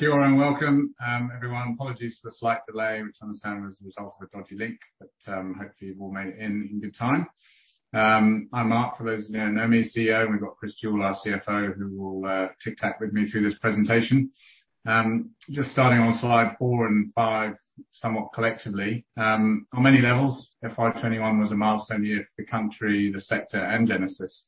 Kia ora, welcome, everyone. Apologies for the slight delay, which I understand was a result of a dodgy link, but hopefully you've all made it in in good time. I'm Marc, for those of you that know me, CEO, and we've got Chris Jewell, our CFO, who will tic-tac with me through this presentation. Just starting on slide four and five somewhat collectively. On many levels, FY 2021 was a milestone year for the country, the sector, and Genesis.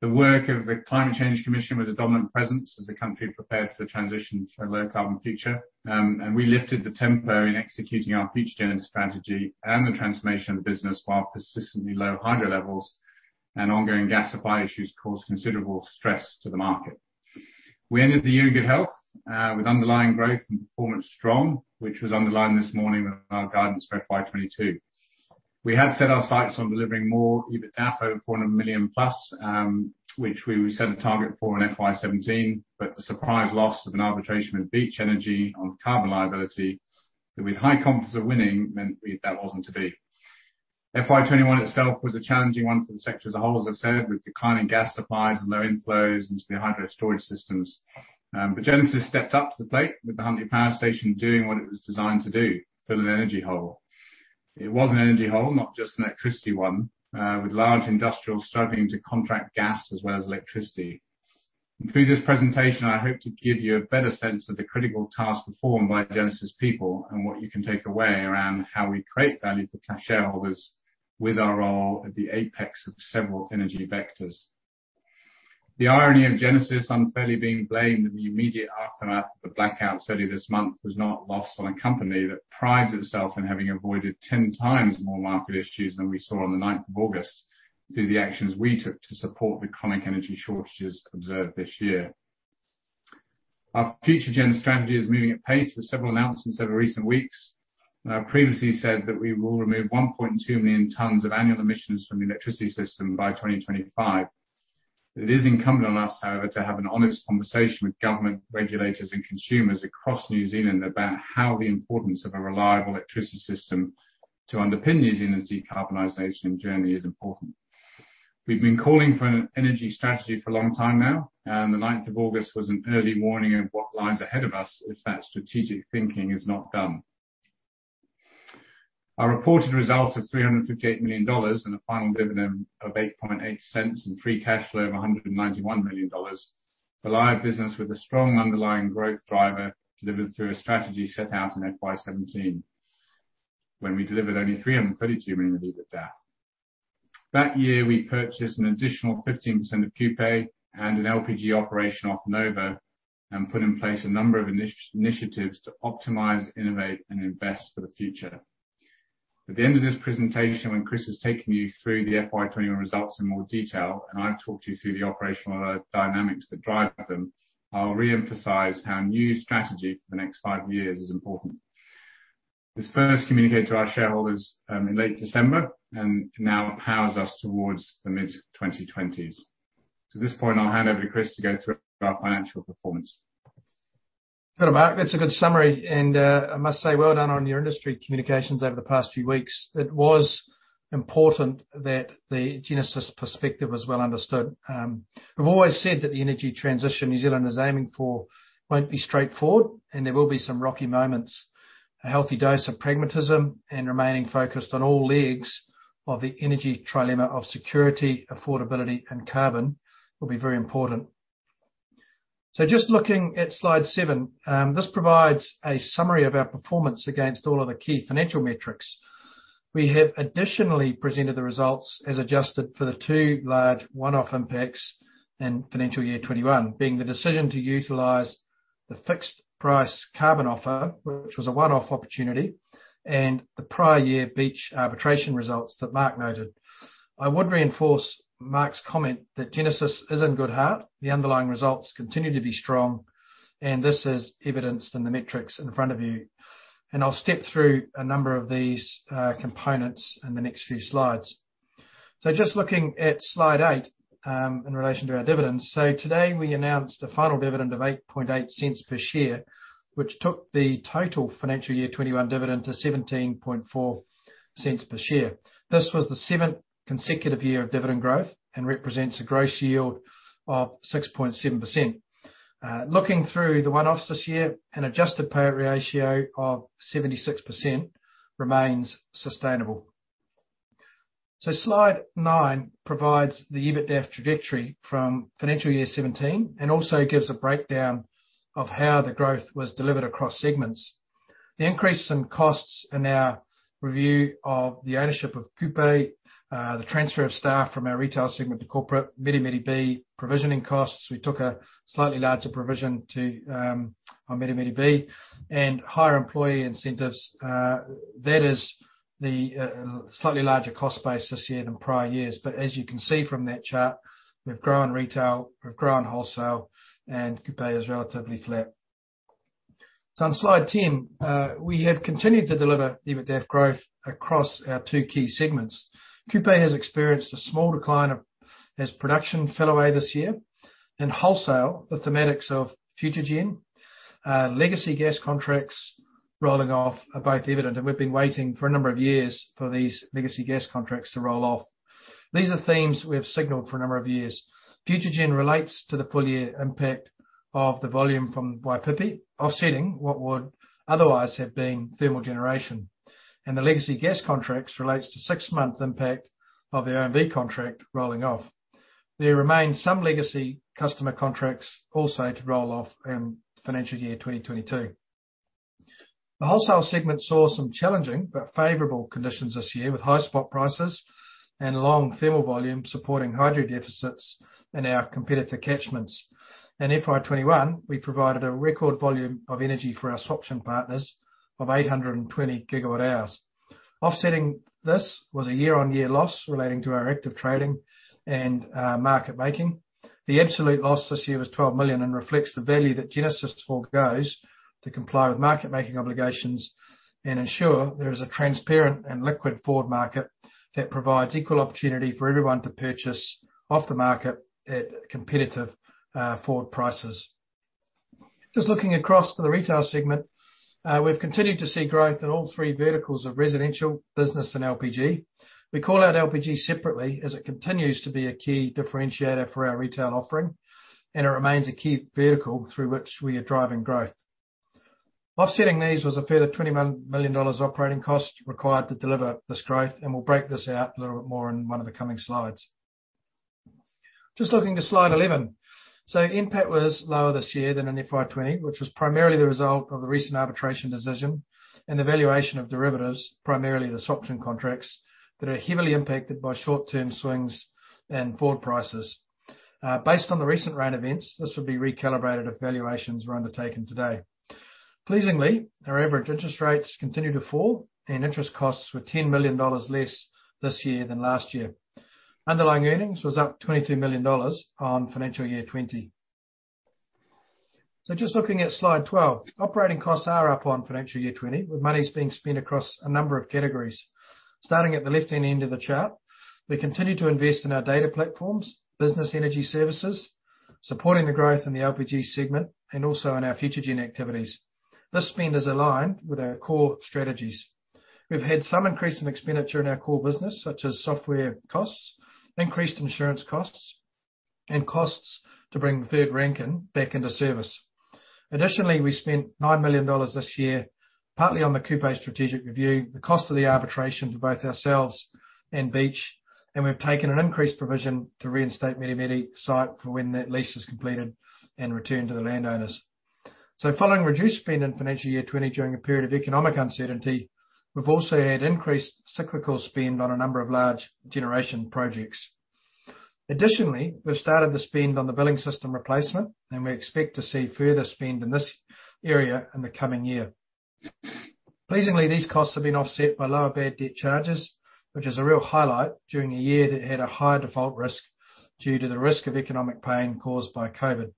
The work of the Climate Change Commission was a dominant presence as the country prepared for transition to a low-carbon future. We lifted the tempo in executing our Future-gen strategy and the transformation of the business while persistently low hydro levels and ongoing gas supply issues caused considerable stress to the market. We ended the year in good health, with underlying growth and performance strong, which was underlined this morning with our guidance for FY 2022. We had set our sights on delivering more EBITDAF of 400+ million, which we set a target for in FY 2017. The surprise loss of an arbitration with Beach Energy on carbon liability that with high confidence of winning meant that that wasn't to be. FY 2021 itself was a challenging one for the sector as a whole, as I've said, with declining gas supplies and low inflows into the hydro storage systems. Genesis stepped up to the plate with the Huntly Power Station doing what it was designed to do, fill an energy hole. It was an energy hole, not just an electricity one, with large industrials struggling to contract gas as well as electricity. Through this presentation, I hope to give you a better sense of the critical task performed by Genesis people and what you can take away around how we create value for cash shareholders with our role at the apex of several energy vectors. The irony of Genesis unfairly being blamed in the immediate aftermath of the blackout this month was not lost on a company that prides itself on having avoided 10 times more market issues than we saw on the August 9th through the actions we took to support the chronic energy shortages observed this year. Our Future-gen strategy is moving at pace with several announcements over recent weeks, and I previously said that we will remove 1.2 million tons of annual emissions from the electricity system by 2025. It is incumbent on us, however, to have an honest conversation with government regulators and consumers across New Zealand about how the importance of a reliable electricity system to underpin New Zealand's decarbonization journey is important. The August 9th was an early warning of what lies ahead of us if that strategic thinking is not done. Our reported result of 358 million dollars and a final dividend of 0.088 and free cash flow of 191 million dollars, is a live business with a strong underlying growth driver delivered through a strategy set out in FY 2017, when we delivered only 332 million of EBITDA. That year, we purchased an additional 15% of Kupe and an LPG operation off Nova and put in place a number of initiatives to optimize, innovate, and invest for the future. At the end of this presentation, when Chris has taken you through the FY 2021 results in more detail and I've talked you through the operational dynamics that drive them, I'll reemphasize how a new strategy for the next five years is important. This was first communicated to our shareholders in late December and now powers us towards the mid-2020s. To this point, I'll hand over to Chris to go through our financial performance. Good, Marc. That's a good summary, and I must say, well done on your industry communications over the past few weeks. It was important that the Genesis perspective was well understood. We've always said that the energy transition New Zealand is aiming for won't be straightforward, and there will be some rocky moments. A healthy dose of pragmatism and remaining focused on all legs of the energy trilemma of security, affordability, and carbon will be very important. Just looking at slide seven, this provides a summary of our performance against all of the key financial metrics. We have additionally presented the results as adjusted for the two large one-off impacts in FY 2021, being the decision to utilize the fixed price carbon offer, which was a one-off opportunity, and the prior year Beach arbitration results that Marc noted. I would reinforce Marc's comment that Genesis is in good heart. The underlying results continue to be strong, and this is evidenced in the metrics in front of you. I'll step through a number of these components in the next few slides. Just looking at slide eight, in relation to our dividends. Today, we announced a final dividend of 0.088 per share, which took the total financial year 2021 dividend to 0.174 per share. This was the seventh consecutive year of dividend growth and represents a gross yield of 6.7%. Looking through the one-offs this year, an adjusted payout ratio of 76% remains sustainable. Slide nine provides the EBITDAF trajectory from financial year 2017 and also gives a breakdown of how the growth was delivered across segments. The increase in costs in our review of the ownership of Kupe, the transfer of staff from our retail segment to corporate, Meremere B provisioning costs. We took a slightly larger provision to our Meremere B and higher employee incentives. That is the slightly larger cost base this year than prior years. As you can see from that chart, we've grown retail, we've grown Wholesale, and Kupe is relatively flat. On slide 10, we have continued to deliver EBITDAF growth across our two key segments. Kupe has experienced a small decline as production fell away this year. In Wholesale, the thematics of Future-gen, legacy gas contracts rolling off are both evident, and we've been waiting for a number of years for these legacy gas contracts to roll off. These are themes we have signaled for a number of years. Future-gen relates to the full year impact of the volume from Waipipi, offsetting what would otherwise have been thermal generation, and the legacy gas contracts relates to six-month impact of the OMV contract rolling off. There remains some legacy customer contracts also to roll off in financial year 2022. The wholesale segment saw some challenging but favorable conditions this year, with high spot prices and long thermal volume supporting hydro deficits in our competitor catchments. In FY 2021, we provided a record volume of energy for our swaption partners of 820 GWh. Offsetting this was a year-on-year loss relating to our active trading and market making. The absolute loss this year was 12 million and reflects the value that Genesis forgoes to comply with market-making obligations and ensure there is a transparent and liquid forward market that provides equal opportunity for everyone to purchase off the market at competitive forward prices. Just looking across to the retail segment, we've continued to see growth in all three verticals of residential, business, and LPG. We call out LPG separately as it continues to be a key differentiator for our retail offering, and it remains a key vertical through which we are driving growth. Offsetting these was a further 21 million dollars operating cost required to deliver this growth. We'll break this out a little bit more in one of the coming slides. Just looking to slide 11. NPAT was lower this year than in FY 2020, which was primarily the result of the recent arbitration decision and the valuation of derivatives, primarily the swaption contracts that are heavily impacted by short-term swings and forward prices. Based on the recent rain events, this would be recalibrated if valuations were undertaken today. Pleasingly, our average interest rates continue to fall, and interest costs were 10 million dollars less this year than last year. Underlying earnings was up 22 million dollars on financial year 2020. Just looking at slide 12. Operating costs are up on financial year 2020, with monies being spent across a number of categories. Starting at the left-hand end of the chart, we continue to invest in our data platforms, business energy services, supporting the growth in the LPG segment, and also in our Future-gen activities. This spend is aligned with our core strategies. We've had some increase in expenditure in our core business, such as software costs, increased insurance costs, and costs to bring the third Rankine back into service. Additionally, we spent 9 million dollars this year, partly on the Kupe strategic review, the cost of the arbitration for both ourselves and Beach, and we've taken an increased provision to reinstate Meremere site for when that lease is completed and returned to the landowners. Following reduced spend in FY 2020 during a period of economic uncertainty, we've also had increased cyclical spend on a number of large generation projects. Additionally, we've started the spend on the billing system replacement, and we expect to see further spend in this area in the coming year. Pleasingly, these costs have been offset by lower bad debt charges, which is a real highlight during a year that had a high default risk due to the risk of economic pain caused by COVID.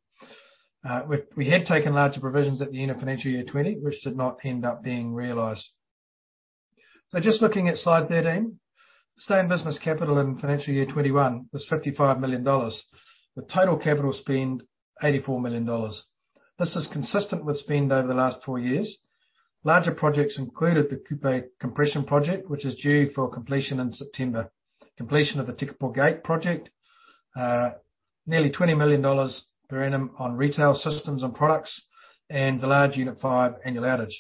We had taken larger provisions at the end of FY 2020, which did not end up being realized. Just looking at Slide 13. Stay in business capital in FY 2021 was 55 million dollars, with total capital spend 84 million dollars. This is consistent with spend over the last four years. Larger projects included the Kupe compression project, which is due for completion in September. Completion of the Tekapo Gate Project, nearly 20 million dollars per annum on retail systems and products, and the large Unit 5 annual outage.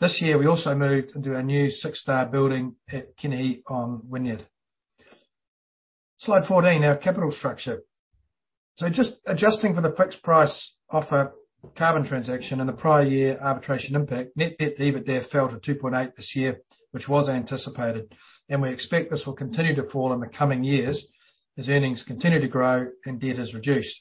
This year, we also moved into our new six-star building at Kenehi on Wynyard. Slide 14, our capital structure. Just adjusting for the fixed price of our carbon transaction and the prior year arbitration impact, net debt to EBITDAF fell to 2.8 this year, which was anticipated, and we expect this will continue to fall in the coming years as earnings continue to grow and debt is reduced.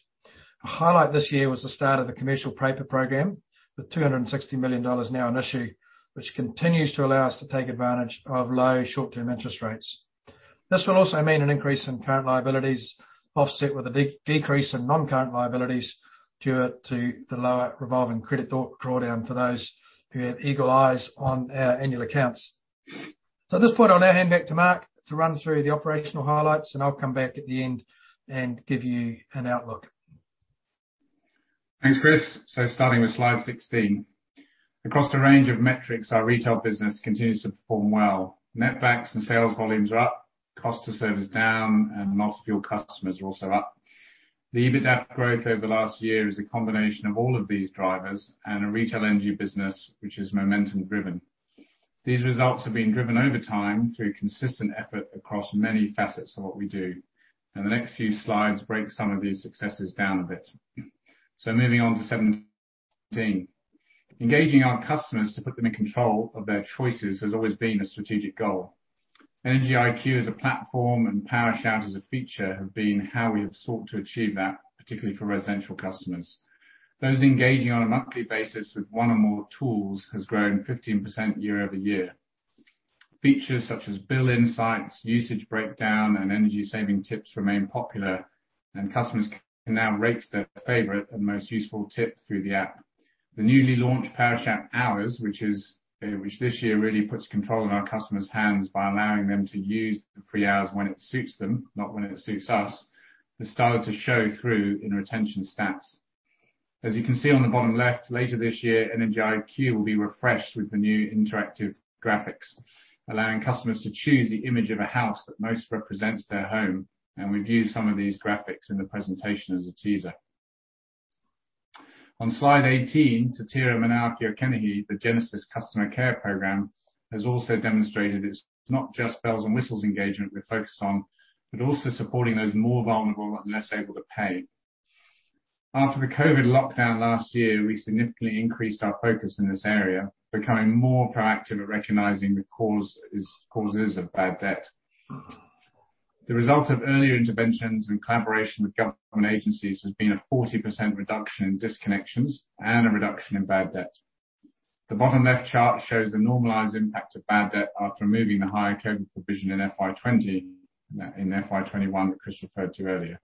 A highlight this year was the start of the commercial paper program, with 260 million dollars now on issue, which continues to allow us to take advantage of low short-term interest rates. This will also mean an increase in current liabilities offset with a decrease in non-current liabilities due to the lower revolving credit drawdown for those who have eagle eyes on our annual accounts. At this point, I'll now hand back to Marc to run through the operational highlights, and I'll come back at the end and give you an outlook. Thanks, Chris. Starting with slide 16. Across the range of metrics, our retail business continues to perform well. Netbacks and sales volumes are up, cost to serve is down, and the number of fuel customers are also up. The EBITDA growth over the last year is a combination of all of these drivers and a retail energy business which is momentum driven. These results have been driven over time through consistent effort across many facets of what we do, and the next few slides break some of these successes down a bit. Moving on to 17. Engaging our customers to put them in control of their choices has always been a strategic goal. Energy IQ as a platform and Power Shout as a feature have been how we have sought to achieve that, particularly for residential customers. Those engaging on a monthly basis with one or more tools has grown 15% year-over-year. Features such as bill insights, usage breakdown, and energy saving tips remain popular, and customers can now rate their favorite and most useful tip through the app. The newly launched Power Shout Hours, which this year really puts control in our customers' hands by allowing them to use the free hours when it suits them, not when it suits us, has started to show through in our retention stats. As you can see on the bottom left, later this year, Energy IQ will be refreshed with the new interactive graphics, allowing customers to choose the image of a house that most represents their home. We view some of these graphics in the presentation as a teaser. On slide 18, Te Tira Manaaki o Kenehi, the Genesis customer care program, has also demonstrated it's not just bells and whistles engagement we're focused on, but also supporting those more vulnerable and less able to pay. After the COVID lockdown last year, we significantly increased our focus in this area, becoming more proactive at recognizing the causes of bad debt. The result of earlier interventions and collaboration with government agencies has been a 40% reduction in disconnections and a reduction in bad debt. The bottom left chart shows the normalized impact of bad debt after removing the higher COVID provision in FY 2020, in FY 2021 that Chris referred to earlier.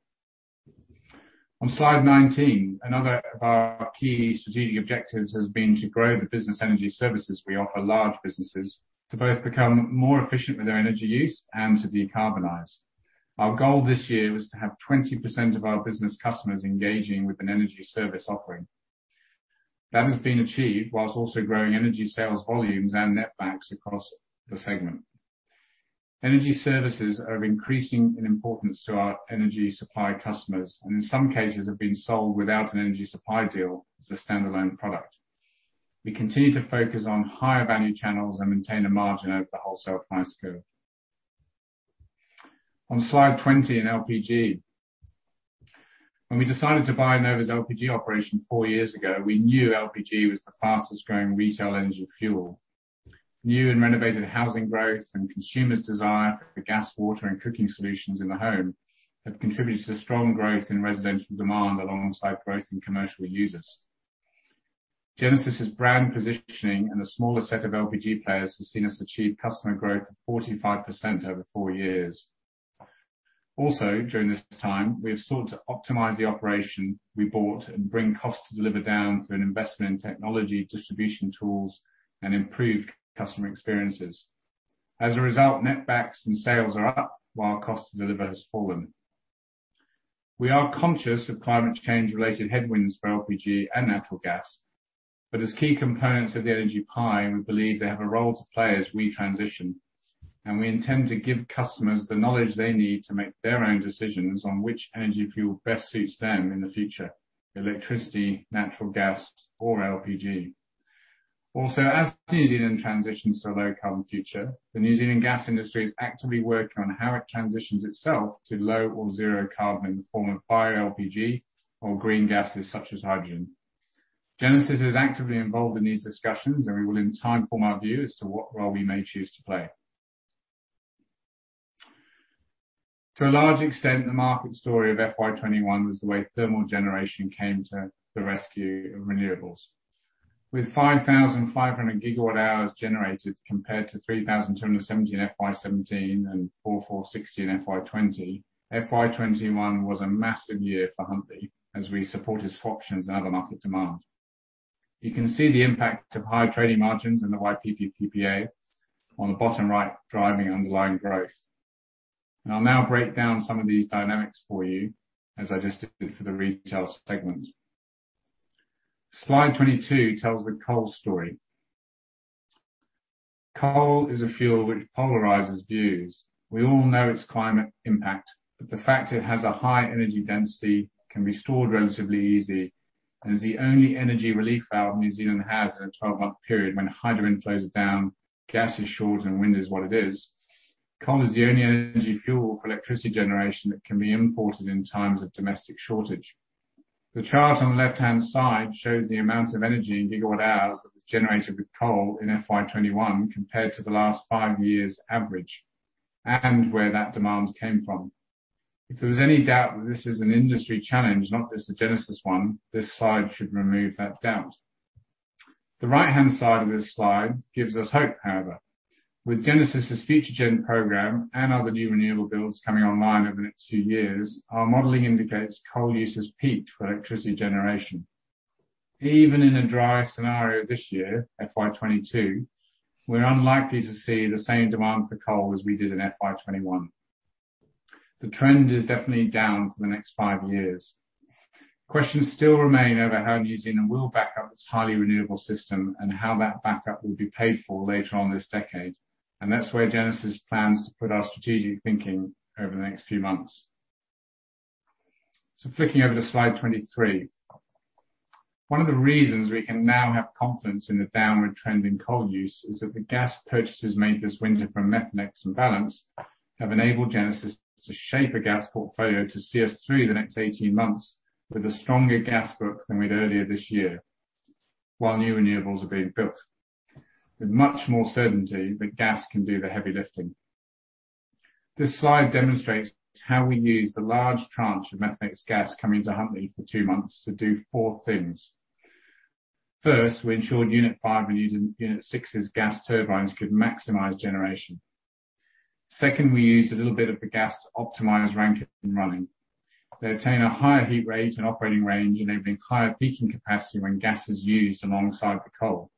On slide 19, another of our key strategic objectives has been to grow the business energy services we offer large businesses to both become more efficient with their energy use and to decarbonize. Our goal this year was to have 20% of our business customers engaging with an energy service offering. That has been achieved whilst also growing energy sales volumes and netbacks across the segment. Energy services are increasing in importance to our energy supply customers, and in some cases have been sold without an energy supply deal as a standalone product. We continue to focus on higher value channels and maintain a margin over the wholesale price curve. On slide 20 in LPG. When we decided to buy Nova's LPG operation four years ago, we knew LPG was the fastest-growing retail energy fuel. New and renovated housing growth and consumers' desire for gas, water, and cooking solutions in the home have contributed to the strong growth in residential demand alongside growth in commercial users. Genesis' brand positioning and the smaller set of LPG players has seen us achieve customer growth of 45% over four years. Also, during this time, we have sought to optimize the operation we bought and bring cost to deliver down through an investment in technology, distribution tools, and improved customer experiences. As a result, netbacks and sales are up while cost to deliver has fallen. We are conscious of climate change-related headwinds for LPG and natural gas. As key components of the energy pie, we believe they have a role to play as we transition, and we intend to give customers the knowledge they need to make their own decisions on which energy fuel best suits them in the future, electricity, natural gas, or LPG. As New Zealand transitions to a low-carbon future, the New Zealand gas industry is actively working on how it transitions itself to low or zero carbon in the form of bioLPG or green gases such as hydrogen. Genesis is actively involved in these discussions, and we will, in time, form our view as to what role we may choose to play. To a large extent, the market story of FY 2021 was the way thermal generation came to the rescue of renewables. With 5,500 GWh generated compared to 3,270 GWh in FY 2017 and 4,460 GWh in FY 2020, FY 2021 was a massive year for Huntly as we supported fluctuations and other market demand. You can see the impact of high trading margins in the Waipipi PPA on the bottom right, driving underlying growth. I'll now break down some of these dynamics for you as I just did for the retail segment. Slide 22 tells the coal story. Coal is a fuel which polarizes views. We all know its climate impact, but the fact it has a high energy density, can be stored relatively easy, and is the only energy relief valve New Zealand has in a 12-month period when hydro inflows are down, gas is short, and wind is what it is. Coal is the only energy fuel for electricity generation that can be imported in times of domestic shortage. The chart on the left-hand side shows the amount of energy in GWh that was generated with coal in FY 2021 compared to the last five years' average and where that demand came from. If there was any doubt that this is an industry challenge, not just a Genesis one, this slide should remove that doubt. The right-hand side of this slide gives us hope, however. With Genesis' Future-gen program and other new renewable builds coming online over the next few years, our modeling indicates coal use has peaked for electricity generation. Even in a dry scenario this year, FY 2022, we're unlikely to see the same demand for coal as we did in FY 2021. The trend is definitely down for the next five years. Questions still remain over how New Zealand will back up its highly renewable system and how that backup will be paid for later on this decade, and that's where Genesis plans to put our strategic thinking over the next few months. Flicking over to slide 23. One of the reasons we can now have confidence in the downward trend in coal use is that the gas purchases made this winter from Methanex and Ballance have enabled Genesis to shape a gas portfolio to see us through the next 18 months with a stronger gas book than we had earlier this year, while new renewables are being built. With much more certainty that gas can do the heavy lifting. This slide demonstrates how we used the large tranche of Methanex gas coming to Huntly for two months to do four things. First, we ensured Unit 5 and Unit 6's gas turbines could maximize generation. Second, we used a little bit of the gas to optimize Rankine running. They attain a higher heat range and operating range, enabling higher peaking capacity when gas is used alongside the coal.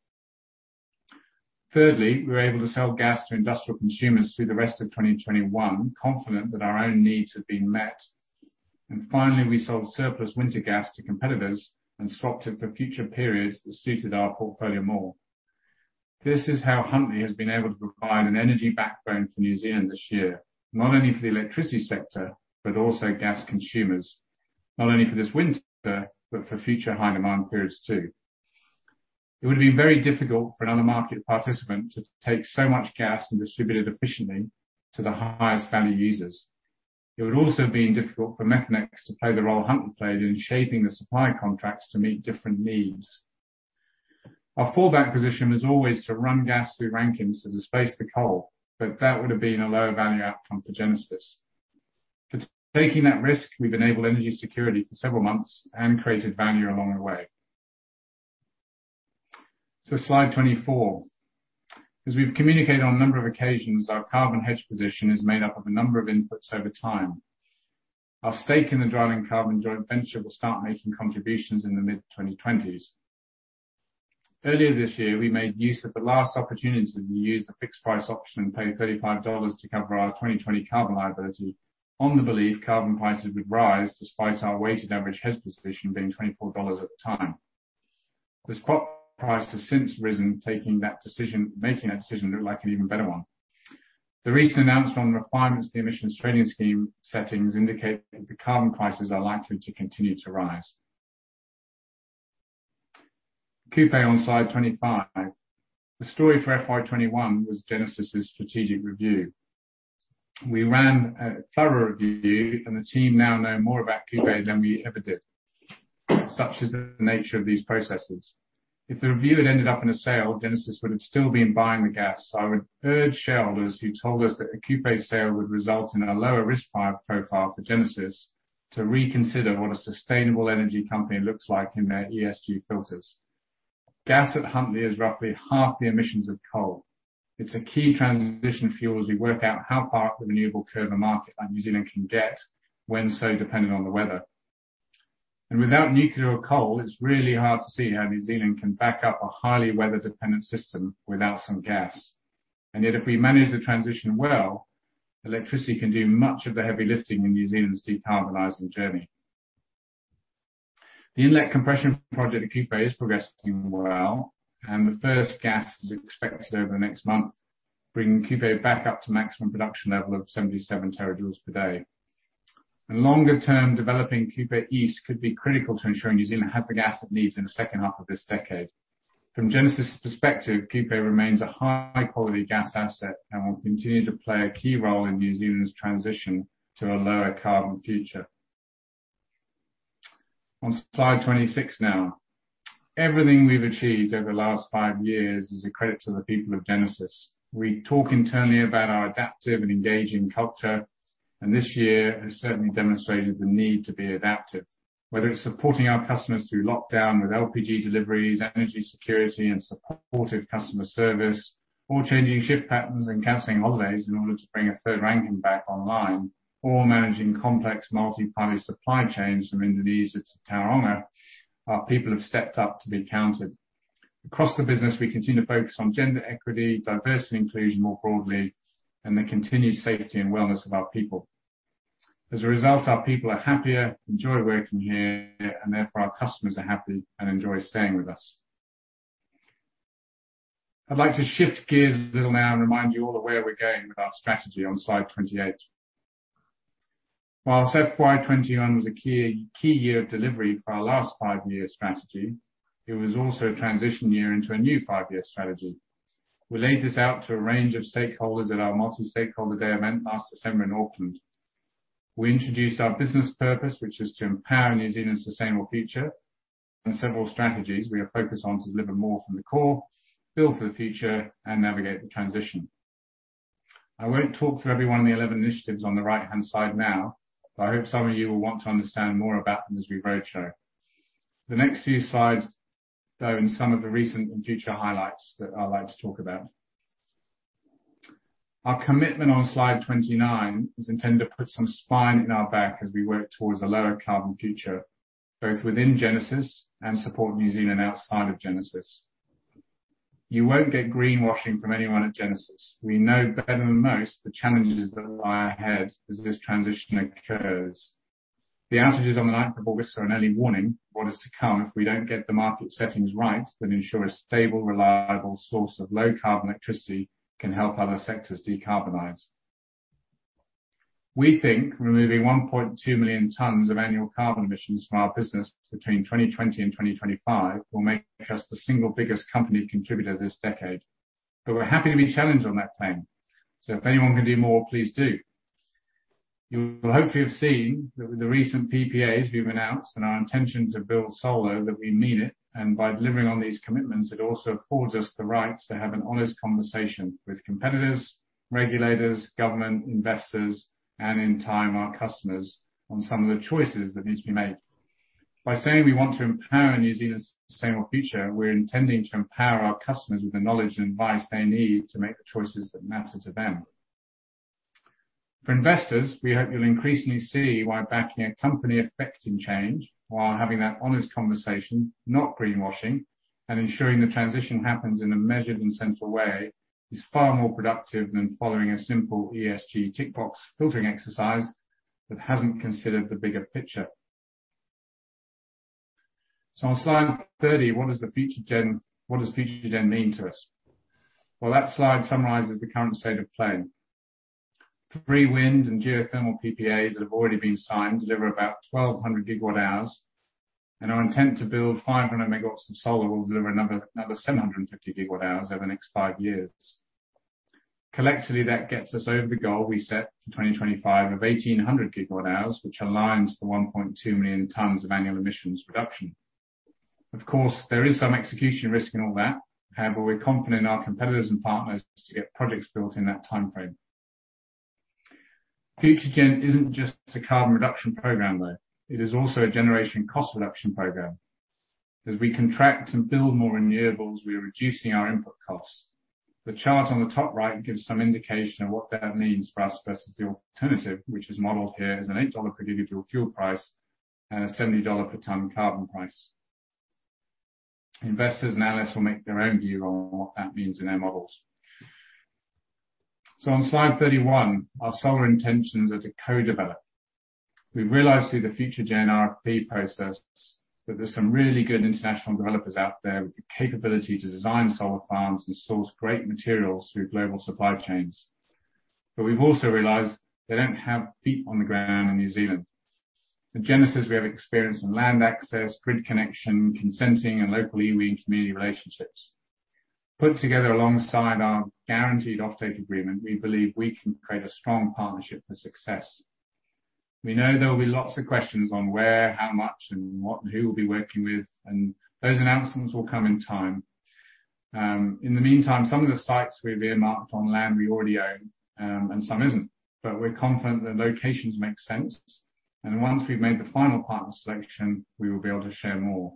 Thirdly, we were able to sell gas to industrial consumers through the rest of 2021, confident that our own needs had been met. Finally, we sold surplus winter gas to competitors and swapped it for future periods that suited our portfolio more. This is how Huntly has been able to provide an energy backbone for New Zealand this year, not only for the electricity sector, but also gas consumers. Not only for this winter, but for future high demand periods, too. It would have been very difficult for another market participant to take so much gas and distribute it efficiently to the highest value users. It would also have been difficult for Methanex to play the role Huntly played in shaping the supply contracts to meet different needs. Our fallback position was always to run gas through Rankines to displace the coal, but that would have been a lower value outcome for Genesis. Taking that risk, we've enabled energy security for several months and created value along the way. Slide 24. As we've communicated on a number of occasions, our carbon hedge position is made up of a number of inputs over time. Our stake in the Drylandcarbon joint venture will start making contributions in the mid-2020s. Earlier this year, we made use of the last opportunity to use the fixed price option and pay 35 dollars to cover our 2020 carbon liability on the belief carbon prices would rise despite our weighted average hedge position being 24 dollars at the time. The spot price has since risen, making that decision look like an even better one. The recent announcement on refinements to the New Zealand Emissions Trading Scheme settings indicate that the carbon prices are likely to continue to rise. Kupe on slide 25. The story for FY 2021 was Genesis' strategic review. We ran a thorough review, and the team now know more about Kupe than we ever did, such as the nature of these processes. If the review had ended up in a sale, Genesis would have still been buying the gas. I would urge shareholders who told us that a Kupe sale would result in a lower risk profile for Genesis to reconsider what a sustainable energy company looks like in their ESG filters. Gas at Huntly is roughly half the emissions of coal. It's a key transition fuel as we work out how far up the renewable curve a market like New Zealand can get, when so dependent on the weather. Without nuclear or coal, it's really hard to see how New Zealand can back up a highly weather-dependent system without some gas. Yet, if we manage the transition well, electricity can do much of the heavy lifting in New Zealand's decarbonizing journey. The inlet compression project at Kupe is progressing well, and the first gas is expected over the next month, bringing Kupe back up to maximum production level of 77 terajoules per day. In longer term, developing Kupe East could be critical to ensuring New Zealand has the gas it needs in the second half of this decade. From Genesis' perspective, Kupe remains a high-quality gas asset and will continue to play a key role in New Zealand's transition to a lower carbon future. On slide 26 now. Everything we've achieved over the last five years is a credit to the people of Genesis. We talk internally about our adaptive and engaging culture, and this year has certainly demonstrated the need to be adaptive. Whether it's supporting our customers through lockdown with LPG deliveries, energy security, and supportive customer service, or changing shift patterns and canceling holidays in order to bring a third Rankine back online, or managing complex multi-party supply chains from Indonesia to Tauranga, our people have stepped up to be counted. Across the business, we continue to focus on gender equity, diversity and inclusion more broadly, and the continued safety and wellness of our people. As a result, our people are happier, enjoy working here, and therefore our customers are happy and enjoy staying with us. I'd like to shift gears a little now and remind you all of where we're going with our strategy on slide 28. Whilst FY 2021 was a key year of delivery for our last five-year strategy, it was also a transition year into a new five-year strategy. We laid this out to a range of stakeholders at our multi-stakeholder day event last December in Auckland. We introduced our business purpose, which is to empower New Zealand's sustainable future, and several strategies we are focused on to deliver more from the core, build for the future, and navigate the transition. I won't talk through every one of the 11 initiatives on the right-hand side now, but I hope some of you will want to understand more about them as we roadshow. The next few slides, though, in some of the recent and future highlights that I'd like to talk about. Our commitment on slide 29 is intended to put some spine in our back as we work towards a lower carbon future, both within Genesis and support New Zealand outside of Genesis. You won't get greenwashing from anyone at Genesis. We know better than most the challenges that lie ahead as this transition occurs. The outages on the August 9th are an early warning what is to come if we don't get the market settings right that ensure a stable, reliable source of low carbon electricity can help other sectors decarbonize. We think removing 1.2 million tons of annual carbon emissions from our business between 2020 and 2025 will make us the single biggest company contributor this decade. We're happy to be challenged on that claim. If anyone can do more, please do. You will hopefully have seen that with the recent PPAs we've announced and our intention to build solar, that we mean it, and by delivering on these commitments, it also affords us the right to have an honest conversation with competitors, regulators, government, investors, and in time, our customers on some of the choices that need to be made. By saying we want to empower New Zealand's sustainable future, we're intending to empower our customers with the knowledge and advice they need to make the choices that matter to them. For investors, we hope you'll increasingly see why backing a company affecting change while having that honest conversation, not greenwashing, and ensuring the transition happens in a measured and central way, is far more productive than following a simple ESG tick box filtering exercise that hasn't considered the bigger picture. On slide 30, what does Future-gen mean to us? Well, that slide summarizes the current state of play. Three wind and geothermal PPAs that have already been signed deliver about 1,200 GWh, and our intent to build 500 MW of solar will deliver another 750 GWh over the next five years. Collectively, that gets us over the goal we set for 2025 of 1,800 GWh, which aligns with the 1.2 million tonnes of annual emissions reduction. Of course, there is some execution risk in all that. However, we're confident in our competitors and partners to get projects built in that timeframe. Future-gen isn't just a carbon reduction program, though. It is also a generation cost reduction program. As we contract to build more renewables, we are reducing our input costs. The chart on the top right gives some indication of what that means for us versus the alternative, which is modeled here as an 8 dollar per gigajoule fuel price and a 70 dollar per tonne carbon price. Investors and analysts will make their own view on what that means in their models. On slide 31, our solar intentions are to co-develop. We've realized through the Future-gen RFP process that there's some really good international developers out there with the capability to design solar farms and source great materials through global supply chains. We've also realized they don't have feet on the ground in New Zealand. At Genesis, we have experience in land access, grid connection, consenting, and local iwi and community relationships. Put together alongside our guaranteed off-take agreement, we believe we can create a strong partnership for success. We know there will be lots of questions on where, how much, and what and who we'll be working with. Those announcements will come in time. In the meantime, some of the sites we've earmarked are on land we already own, and some isn't. We're confident the locations make sense, and once we've made the final partner selection, we will be able to share more.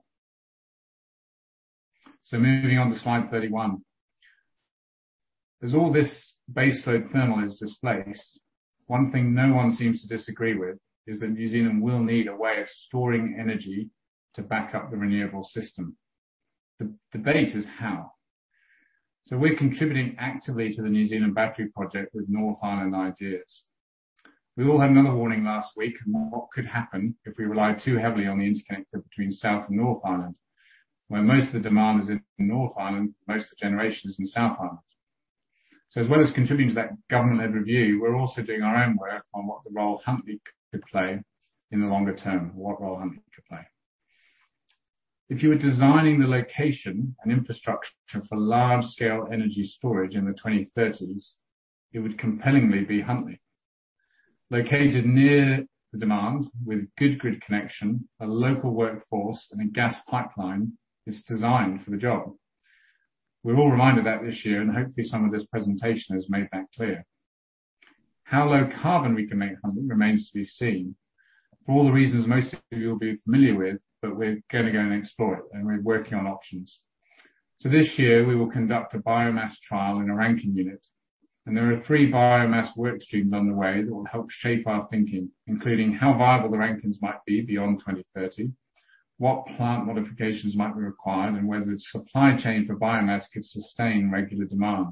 Moving on to slide 31. As all this baseload thermal is displaced, one thing no one seems to disagree with is that New Zealand will need a way of storing energy to back up the renewable system. The debate is how. We're contributing actively to the NZ Battery Project with North Island ideas. We all had another warning last week on what could happen if we rely too heavily on the interconnector between South and North Island, where most of the demand is in North Island, most of the generation is in South Island. As well as contributing to that government-led review, we are also doing our own work on what the role Huntly could play in the longer term. What role Huntly could play. If you were designing the location and infrastructure for large-scale energy storage in the 2030s, it would compellingly be Huntly. Located near the demand with good grid connection, a local workforce, and a gas pipeline is designed for the job. We were all reminded of that this year. Hopefully, some of this presentation has made that clear. How low carbon we can make Huntly remains to be seen. For all the reasons most of you will be familiar with, but we're going to go and explore it, and we're working on options. This year, we will conduct a biomass trial in a Rankine unit, and there are three biomass work streams underway that will help shape our thinking, including how viable the Rankines might be beyond 2030, what plant modifications might be required, and whether the supply chain for biomass could sustain regular demand.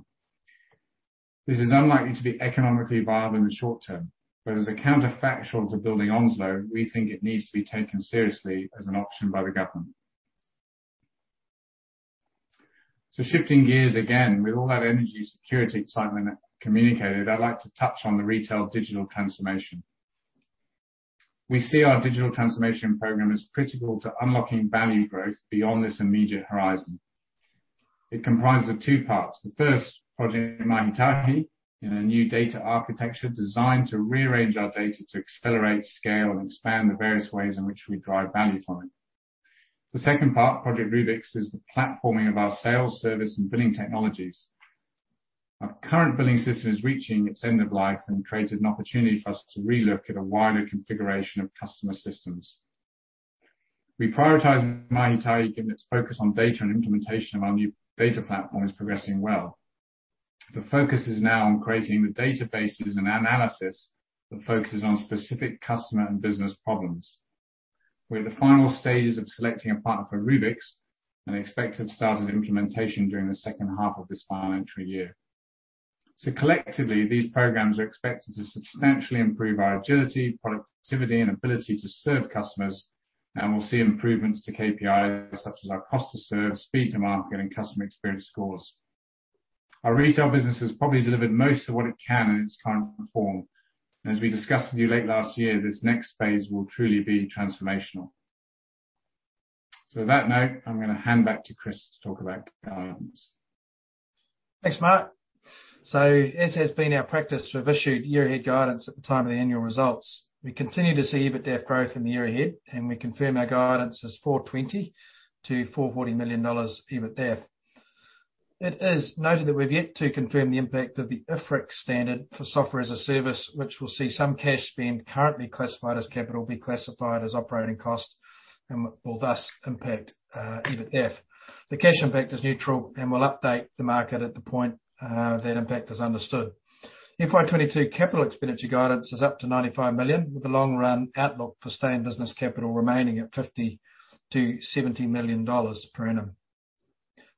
This is unlikely to be economically viable in the short term, but as a counterfactual to building Onslow, we think it needs to be taken seriously as an option by the government. Shifting gears again, with all that energy security excitement communicated, I'd like to touch on the retail digital transformation. We see our digital transformation program as critical to unlocking value growth beyond this immediate horizon. It comprises of two parts. The first, Project Mahi Tahi, in a new data architecture designed to rearrange our data to accelerate, scale, and expand the various ways in which we drive value from it. The second part, Project Rubiks, is the platforming of our sales, service, and billing technologies. Our current billing system is reaching its end of life and created an opportunity for us to relook at a wider configuration of customer systems. We prioritize Mahi Tahi, given its focus on data and implementation of our new data platform is progressing well. The focus is now on creating the databases and analysis that focuses on specific customer and business problems. We're at the final stages of selecting a partner for Rubiks, and expect to have started implementation during the second half of this financial year. Collectively, these programs are expected to substantially improve our agility, productivity, and ability to serve customers, and we'll see improvements to KPIs such as our cost to serve, speed to market, and customer experience scores. Our retail business has probably delivered most of what it can in its current form. As we discussed with you late last year, this next phase will truly be transformational. On that note, I'm going to hand back to Chris to talk about guidance. Thanks, Marc. As has been our practice, we've issued year ahead guidance at the time of the annual results. We continue to see EBITDAF growth in the year ahead, and we confirm our guidance as 420 million-440 million dollars EBITDAF. It is noted that we've yet to confirm the impact of the IFRIC standard for software as a service, which will see some cash spend currently classified as capital, be classified as operating costs, and will thus impact EBITDAF. The cash impact is neutral and will update the market at the point that impact is understood. FY 2022 capital expenditure guidance is up to 95 million, with the long run outlook for stay in business capital remaining at 50 million-70 million dollars per annum.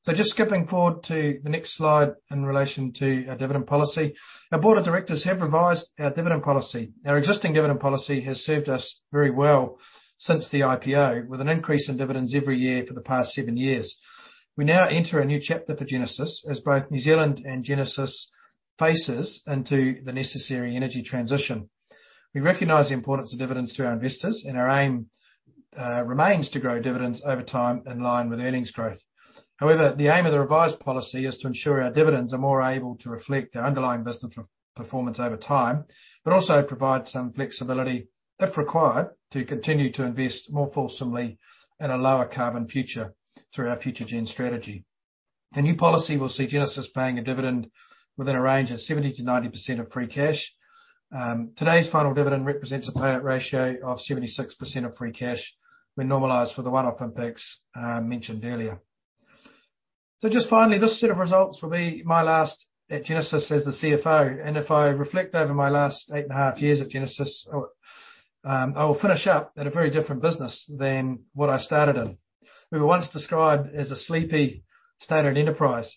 Just skipping forward to the next slide in relation to our dividend policy. Our board of directors have revised our dividend policy. Our existing dividend policy has served us very well since the IPO, with an increase in dividends every year for the past seven years. We now enter a new chapter for Genesis as both New Zealand and Genesis faces into the necessary energy transition. We recognize the importance of dividends to our investors, and our aim remains to grow dividends over time in line with earnings growth. However, the aim of the revised policy is to ensure our dividends are more able to reflect our underlying business performance over time, but also provide some flexibility, if required, to continue to invest more fulsomely in a lower carbon future through our Future-gen strategy. The new policy will see Genesis paying a dividend within a range of 70%-90% of free cash. Today's final dividend represents a payout ratio of 76% of free cash when normalized for the one-off impacts mentioned earlier. Just finally, this set of results will be my last at Genesis as the CFO. If I reflect over my last eight and a half years at Genesis, I will finish up at a very different business than what I started in. We were once described as a sleepy standard enterprise.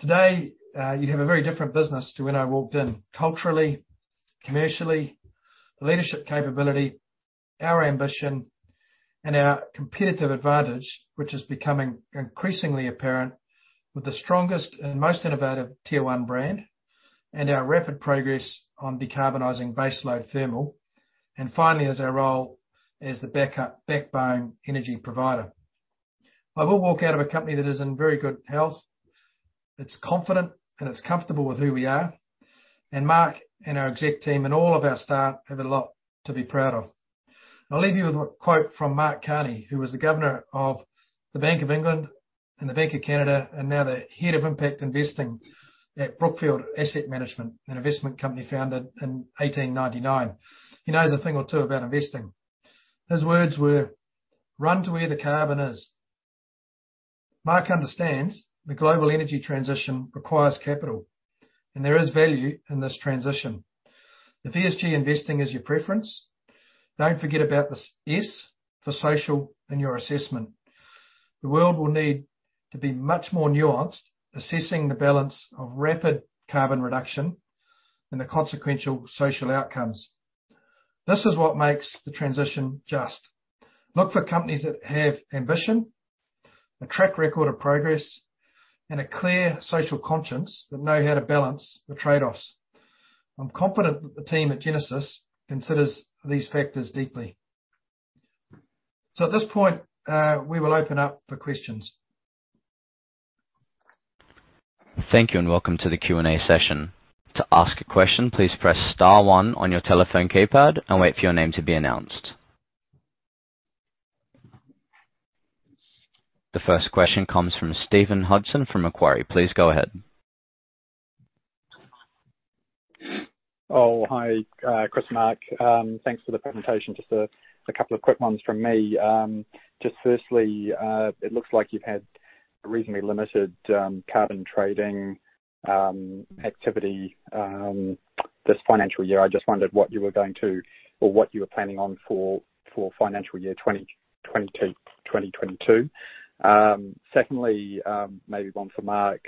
Today, you have a very different business to when I walked in, culturally, commercially, leadership capability, our ambition and our competitive advantage, which is becoming increasingly apparent with the strongest and most innovative tier 1 brand, and our rapid progress on decarbonizing baseload thermal, and finally, as our role as the backbone energy provider. I will walk out of a company that is in very good health. It's confident, it's comfortable with who we are, Marc and our exec team and all of our staff have a lot to be proud of. I'll leave you with a quote from Mark Carney, who was the governor of the Bank of England and the Bank of Canada, now the Head of Impact Investing at Brookfield Asset Management, an investment company founded in 1899. He knows a thing or two about investing. His words were, "Run to where the carbon is." Mark understands the global energy transition requires capital, there is value in this transition. If ESG investing is your preference, don't forget about the S for social in your assessment. The world will need to be much more nuanced, assessing the balance of rapid carbon reduction and the consequential social outcomes. This is what makes the transition just. Look for companies that have ambition, a track record of progress, and a clear social conscience that know how to balance the trade-offs. I'm confident that the team at Genesis considers these factors deeply. At this point, we will open up for questions. Thank you. Welcome to the Q&A session. To ask a question, please press star one on your telephone keypad and wait for your name to be announced. The first question comes from Stephen Hudson from Macquarie. Please go ahead. Oh, hi, Chris, Marc. Thanks for the presentation. Just a couple of quick ones from me. Just firstly, it looks like you've had reasonably limited carbon trading activity this financial year. I just wondered what you were going to or what you were planning on for financial year 2022. Secondly, maybe one for Marc,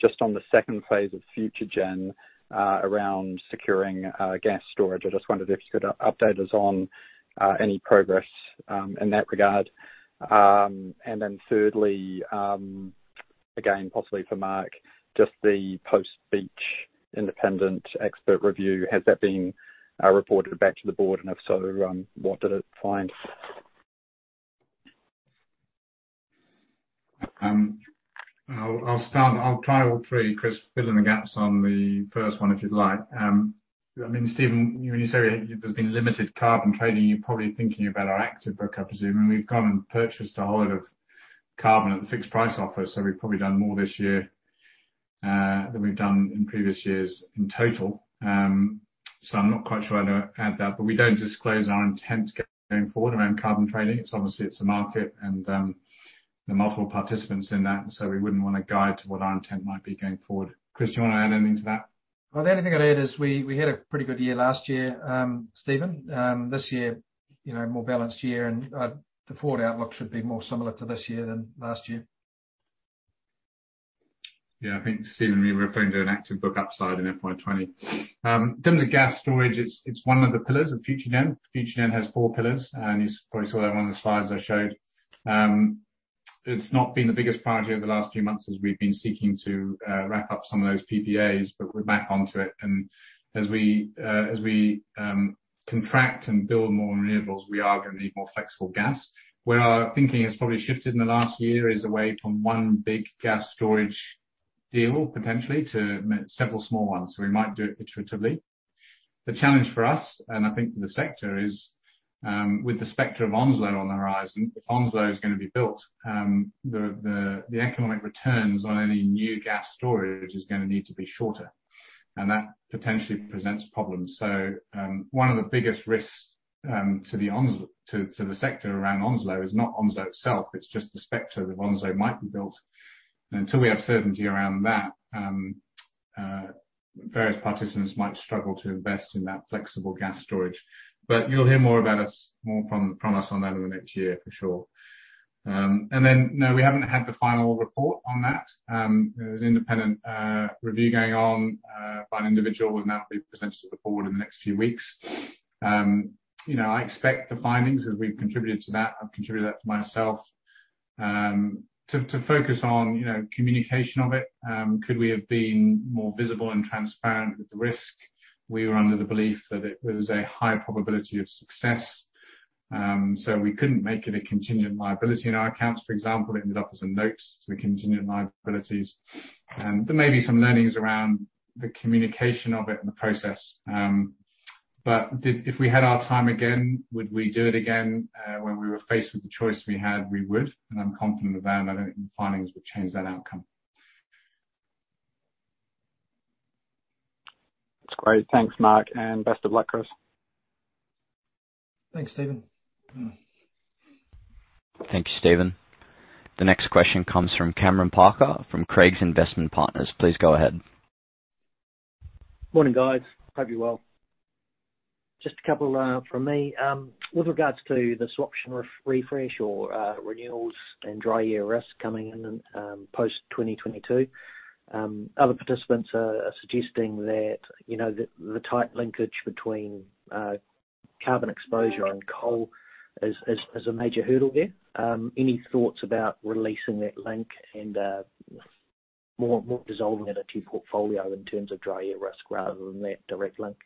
just on the second phase of Future-gen, around securing gas storage. I just wondered if you could update us on any progress, in that regard. Then thirdly, again, possibly for Marc, just the post-Beach independent expert review. Has that been reported back to the board? If so, what did it find? I'll start. I'll try all three, Chris. Fill in the gaps on the first one, if you'd like. Stephen, when you say there's been limited carbon trading, you're probably thinking about our active book, I presume, and we've gone and purchased a whole lot of carbon at the fixed price offer. We've probably done more this year than we've done in previous years in total. I'm not quite sure how to add that, but we don't disclose our intent going forward around carbon trading. Obviously, it's a market, and there are multiple participants in that, we wouldn't want to guide to what our intent might be going forward. Chris, do you want to add anything to that? Well, the only thing I'd add is we had a pretty good year last year, Stephen. This year, more balanced year and the forward outlook should be more similar to this year than last year. Yeah. I think, Stephen, we were referring to an active book upside in FY 2020. In terms of gas storage, it's one of the pillars of Future-gen. Future-gen has four pillars, and you probably saw that on one of the slides I showed. It's not been the biggest priority over the last few months as we've been seeking to wrap up some of those PPAs, but we're back onto it. As we contract and build more renewables, we are going to need more flexible gas. Where our thinking has probably shifted in the last year is away from one big gas storage deal, potentially, to several small ones. We might do it iteratively. The challenge for us, and I think for the sector, is with the specter of Onslow on the horizon. If Onslow is going to be built, the economic returns on any new gas storage is going to need to be shorter. That potentially presents problems. One of the biggest risks to the sector around Onslow is not Onslow itself, it's just the specter that Onslow might be built. Until we have certainty around that, various participants might struggle to invest in that flexible gas storage. You'll hear more from us on that in the next year for sure. No, we haven't had the final report on that. There's an independent review going on by an individual and that will be presented to the board in the next few weeks. I expect the findings as we've contributed to that, I've contributed that to myself, to focus on communication of it. Could we have been more visible and transparent with the risk? We were under the belief that it was a high probability of success, we couldn't make it a contingent liability in our accounts. For example, it ended up as a note to the contingent liabilities. There may be some learnings around the communication of it and the process. If we had our time again, would we do it again? When we were faced with the choice we had, we would, and I'm confident of that. I don't think the findings would change that outcome. That's great. Thanks, Marc, and best of luck, Chris. Thanks, Stephen. Thank you, Stephen. The next question comes from Cameron Parker from Craigs Investment Partners. Please go ahead. Morning, guys. Hope you're well. Just a couple from me. With regards to the swaption refresh or renewals and dry year risk coming in post 2022. Other participants are suggesting that the tight linkage between carbon exposure and coal is a major hurdle there. Any thoughts about releasing that link and more dissolving it into your portfolio in terms of dry year risk rather than that direct link?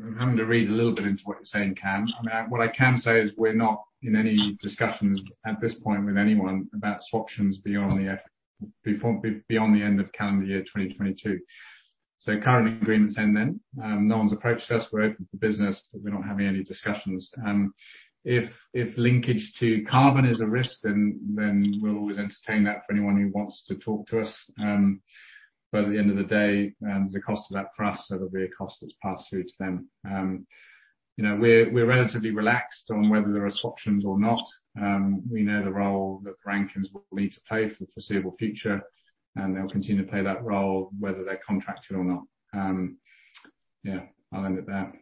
I'm having to read a little bit into what you're saying, Cam. What I can say is we're not in any discussions at this point with anyone about swaptions beyond the end of calendar year 2022. Current agreements end then. No one's approached us. We're open for business, but we're not having any discussions. If linkage to carbon is a risk, then we'll always entertain that for anyone who wants to talk to us. At the end of the day, the cost of that for us, that'll be a cost that's passed through to them. We're relatively relaxed on whether there are swaptions or not. We know the role that Rankines will need to play for the foreseeable future, and they'll continue to play that role whether they're contracted or not. Yeah, I'll end it there.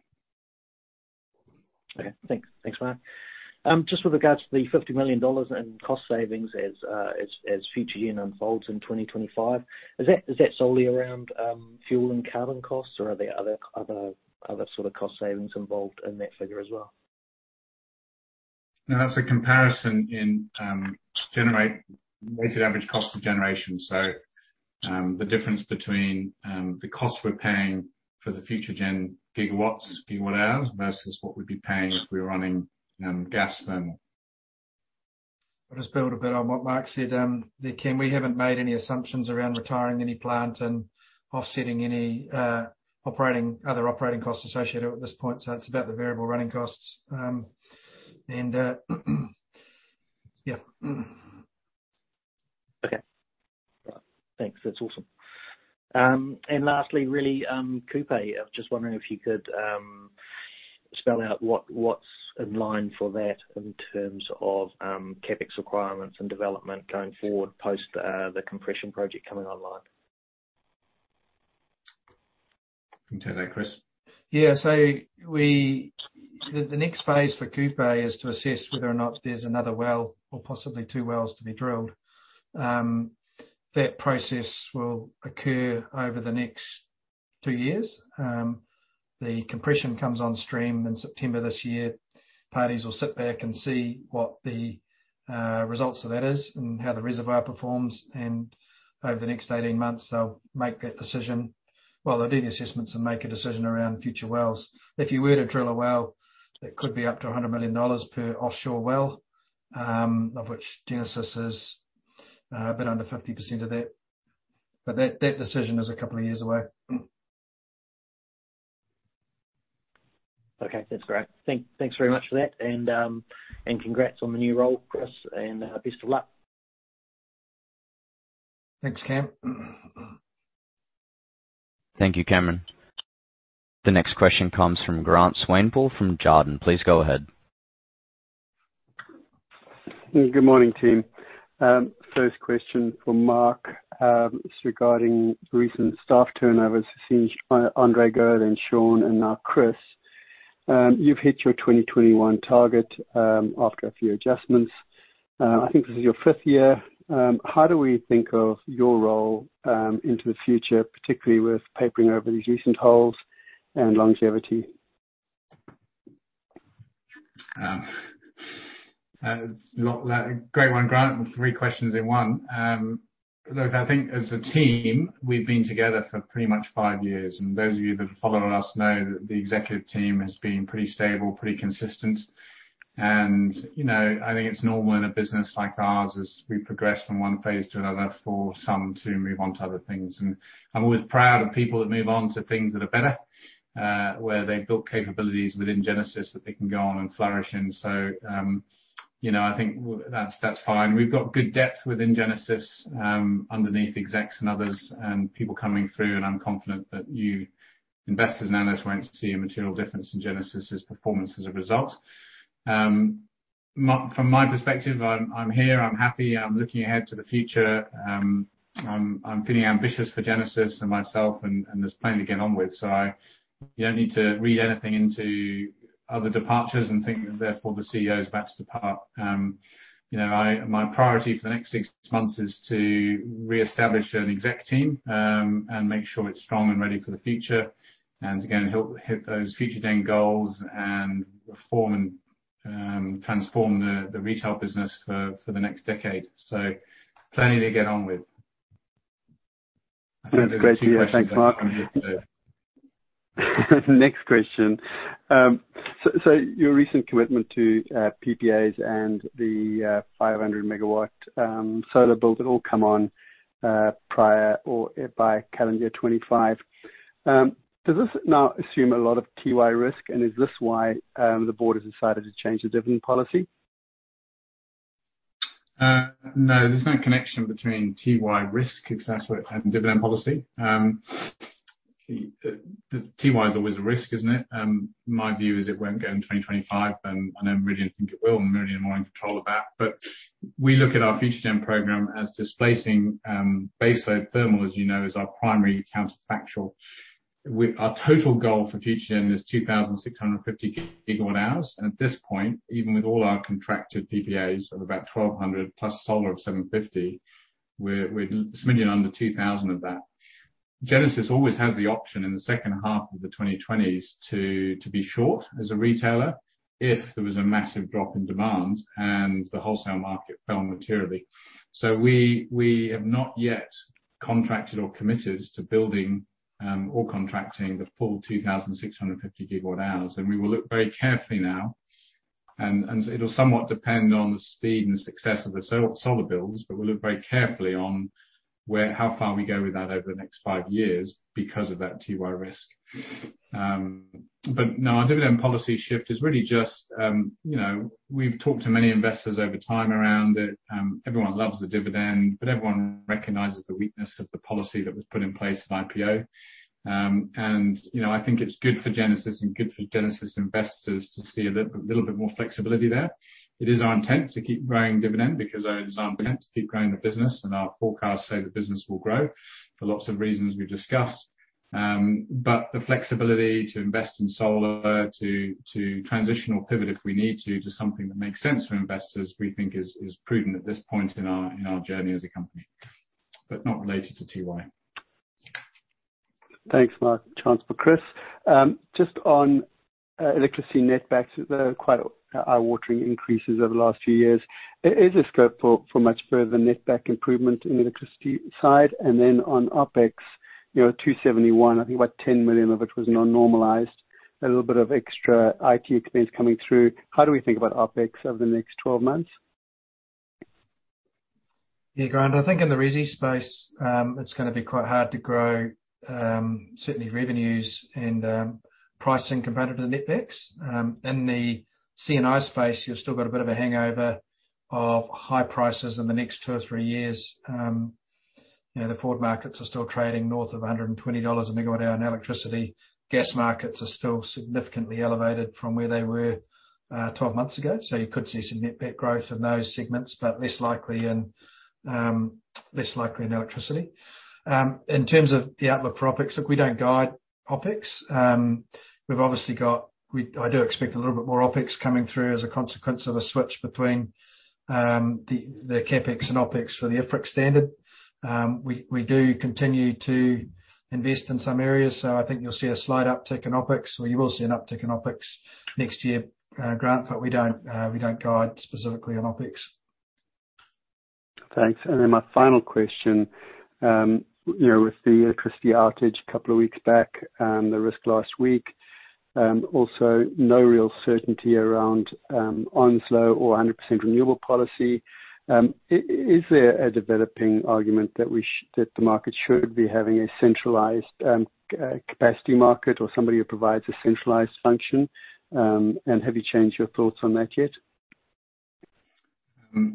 Okay. Thanks, Marc. Just with regards to the 50 million dollars in cost savings as Future-gen unfolds in 2025, is that solely around fuel and carbon costs or are there other sort of cost savings involved in that figure as well? No, that's a comparison in weighted average cost of generation. The difference between the cost we're paying for the Future-gen gigawatts, gigawatt hours, versus what we'd be paying if we were running gas then. I'll just build a bit on what Marc said, Cam. We haven't made any assumptions around retiring any plant and offsetting any other operating costs associated at this point. It's about the variable running costs. Okay. Thanks. That's awesome. Lastly, really, Kupe, I was just wondering if you could spell out what's in line for that in terms of CapEx requirements and development going forward post the compression project coming online. Can take that, Chris. Yeah. The next phase for Kupe is to assess whether or not there's another well or possibly two wells to be drilled. That process will occur over the next two years. The compression comes on stream in September this year. Parties will sit back and see what the results of that is and how the reservoir performs, and over the next 18 months, they'll make that decision. Well, they'll do the assessments and make a decision around future wells. If you were to drill a well, it could be up to 100 million dollars per offshore well, of which Genesis is a bit under 50% of that. That decision is two years away. Okay. That's great. Thanks very much for that, and congrats on the new role, Chris, and best of luck. Thanks, Cam. Thank you, Cameron. The next question comes from Grant Swanepoel from Jarden. Please go ahead. Good morning, team. First question for Marc is regarding recent staff turnovers. I've seen André Gaylard and Sean and now Chris. You've hit your 2021 target after a few adjustments. I think this is your fifth year. How do we think of your role into the future, particularly with papering over these recent holes and longevity? Great one, Grant. Three questions in one. Look, I think as a team, we've been together for pretty much five years. Those of you that have followed us know that the executive team has been pretty stable, pretty consistent. I think it's normal in a business like ours, as we progress from one phase to another, for some to move on to other things. I'm always proud of people that move on to things that are better, where they've built capabilities within Genesis that they can go on and flourish in. I think that's fine. We've got good depth within Genesis, underneath execs and others, and people coming through. I'm confident that you investors and analysts won't see a material difference in Genesis's performance as a result. From my perspective, I'm here, I'm happy, I'm looking ahead to the future. I'm feeling ambitious for Genesis and myself, and there's plenty to get on with. You don't need to read anything into other departures and think that therefore the CEO's about to depart. My priority for the next six months is to reestablish an exec team, and make sure it's strong and ready for the future. Again, hit those Future-gen goals and reform and transform the retail business for the next decade. Plenty to get on with. Great to hear. Thanks, Marc. Next question. Your recent commitment to PPAs and the 500 MW solar build that will come on prior or by calendar 2025. Does this now assume a lot of Tiwai risk, and is this why the board has decided to change the dividend policy? No, there's no connection between Tiwai risk, if that's what, and dividend policy. Tiwai is always a risk, isn't it? My view is it won't go in 2025, and I don't really think it will, I'm really more in control of that. We look at our Future-gen program as displacing baseload thermal, as you know, as our primary counterfactual. Our total goal for Future-gen is 2,650 GWh, and at this point, even with all our contracted PPAs of about 1,200+ solar of 750, we're slightly under 2,000 of that. Genesis always has the option in the second half of the 2020s to be short as a retailer if there was a massive drop in demand and the wholesale market fell materially. We have not yet contracted or committed to building or contracting the full 2,650 GWh. We will look very carefully now, and it'll somewhat depend on the speed and success of the solar builds, but we'll look very carefully on how far we go with that over the next five years because of that Tiwai risk. No, our dividend policy shift is really just, we've talked to many investors over time around it. Everyone loves the dividend, but everyone recognizes the weakness of the policy that was put in place at IPO. I think it's good for Genesis and good for Genesis investors to see a little bit more flexibility there. It is our intent to keep growing dividend because it is our intent to keep growing the business, and our forecasts say the business will grow for lots of reasons we've discussed. The flexibility to invest in solar, to transition or pivot if we need to something that makes sense for investors, we think is prudent at this point in our journey as a company. Not related to Tiwai. Thanks, Marc. Chance for Chris. Just on electricity netbacks, they're quite eye-watering increases over the last few years. Is there scope for much further net back improvement in the electricity side? On OpEx, 271, I think about 10 million of it was non-normalized, a little bit of extra IT expense coming through. How do we think about OpEx over the next 12 months? Yeah, Grant, I think in the resi space, it's going to be quite hard to grow, certainly revenues and pricing comparative to netbacks. In the C&I space, you've still got a bit of a hangover of high prices in the next two or three years. The forward markets are still trading north of 120 dollars a megawatt hour in electricity. Gas markets are still significantly elevated from where they were 12 months ago. You could see some net back growth in those segments, but less likely in electricity. In terms of the outlook for OpEx, look, we don't guide OpEx. I do expect a little bit more OpEx coming through as a consequence of a switch between the CapEx and OpEx for the IFRIC standard. We do continue to invest in some areas, so I think you'll see a slight uptick in OpEx, or you will see an uptick in OpEx next year, Grant, but we don't guide specifically on OpEx. Thanks. My final question. With the electricity outage a couple of weeks back, the risk last week, also no real certainty around Onslow or 100% renewable policy. Is there a developing argument that the market should be having a centralized capacity market or somebody who provides a centralized function? Have you changed your thoughts on that yet?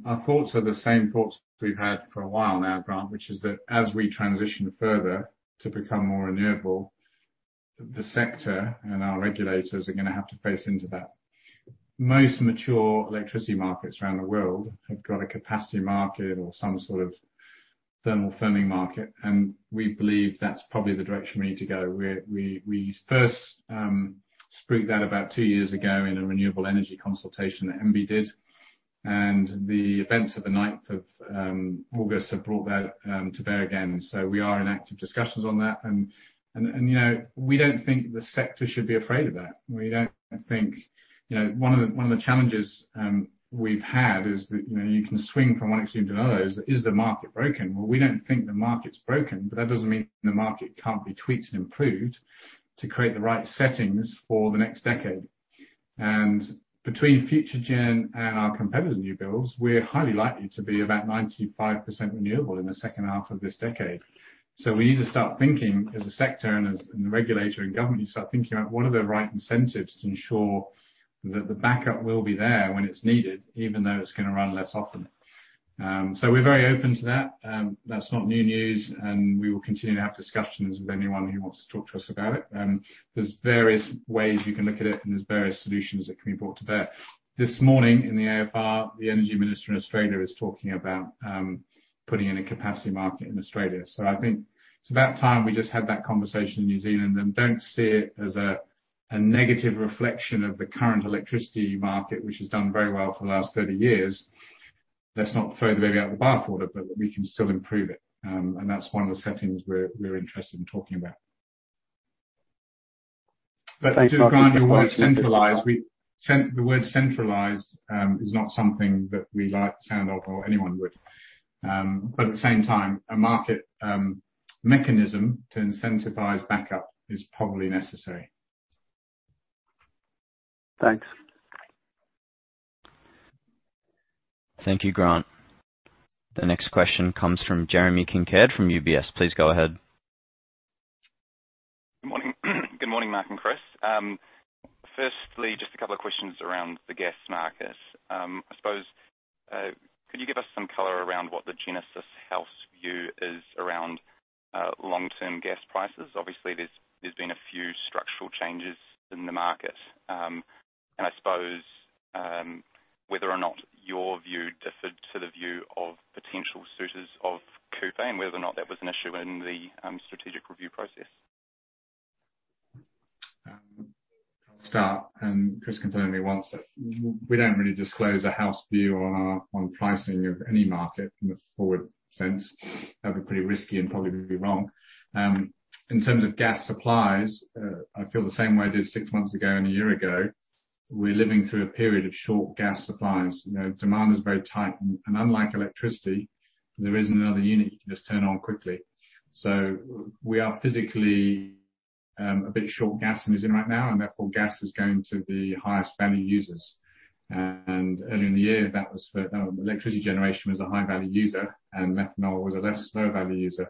Our thoughts are the same thoughts we've had for a while now, Grant, which is that as we transition further to become more renewable, the sector and our regulators are going to have to price into that. Most mature electricity markets around the world have got a capacity market or some sort of thermal firming market. We believe that's probably the direction we need to go. We first spruiked that about two years ago in a renewable energy consultation that MBIE did. The events of the August 9th have brought that to bear again. We are in active discussions on that and we don't think the sector should be afraid of that. One of the challenges we've had is that you can swing from one extreme to another, is the market broken? We don't think the market's broken, but that doesn't mean the market can't be tweaked and improved to create the right settings for the next decade. Between Future-gen and our competitive new builds, we're highly likely to be about 95% renewable in the second half of this decade. We need to start thinking as a sector and as the regulator and government, you start thinking about what are the right incentives to ensure that the backup will be there when it's needed, even though it's going to run less often. We're very open to that. That's not new news, and we will continue to have discussions with anyone who wants to talk to us about it. There's various ways we can look at it, and there's various solutions that can be brought to bear. This morning in the AFR, the energy minister in Australia is talking about putting in a capacity market in Australia. I think it's about time we just had that conversation in New Zealand and don't see it as a negative reflection of the current electricity market, which has done very well for the last 30 years. Let's not throw the baby out with the bathwater, but we can still improve it. That's one of the settings we're interested in talking about. Thanks, Marc. To Grant, your word centralized. The word centralized is not something that we like the sound of or anyone would. At the same time, a market mechanism to incentivize backup is probably necessary. Thanks. Thank you, Grant. The next question comes from Jeremy Kincaid from UBS. Please go ahead. Good morning. Good morning, Marc and Chris. Firstly, just a couple of questions around the gas market. I suppose, could you give us some color around what the Genesis house view is around long-term gas prices? Obviously, there's been a few structural changes in the market, and I suppose whether or not your view differed to the view of potential suitors of Kupe and whether or not that was an issue in the strategic review process. I'll start, Chris can fill in where I want to. We don't really disclose a house view on pricing of any market in the forward sense. That'd be pretty risky and probably be wrong. In terms of gas supplies, I feel the same way I did six months ago and a year ago. We're living through a period of short gas supplies. Demand is very tight, and unlike electricity, there isn't another unit you can just turn on quickly. We are physically a bit short gas in New Zealand right now, and therefore gas is going to the highest value users. Early in the year, electricity generation was a high-value user and methanol was a less low-value user.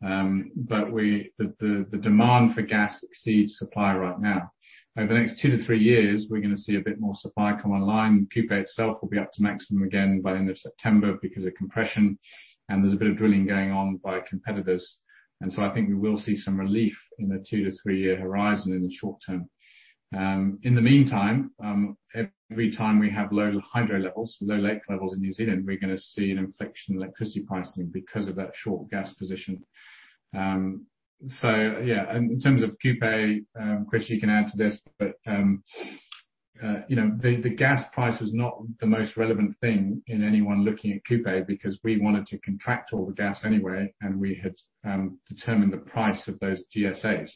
The demand for gas exceeds supply right now. Over the next two to three years, we're going to see a bit more supply come online. Kupe itself will be up to maximum again by end of September because of compression. There's a bit of drilling going on by competitors. I think we will see some relief in a two to three-year horizon in the short term. In the meantime, every time we have low hydro levels, low lake levels in New Zealand, we're going to see an inflection in electricity pricing because of that short gas position. Yeah, in terms of Kupe, Chris, you can add to this. The gas price was not the most relevant thing in anyone looking at Kupe because we wanted to contract all the gas anyway, and we had determined the price of those GSAs.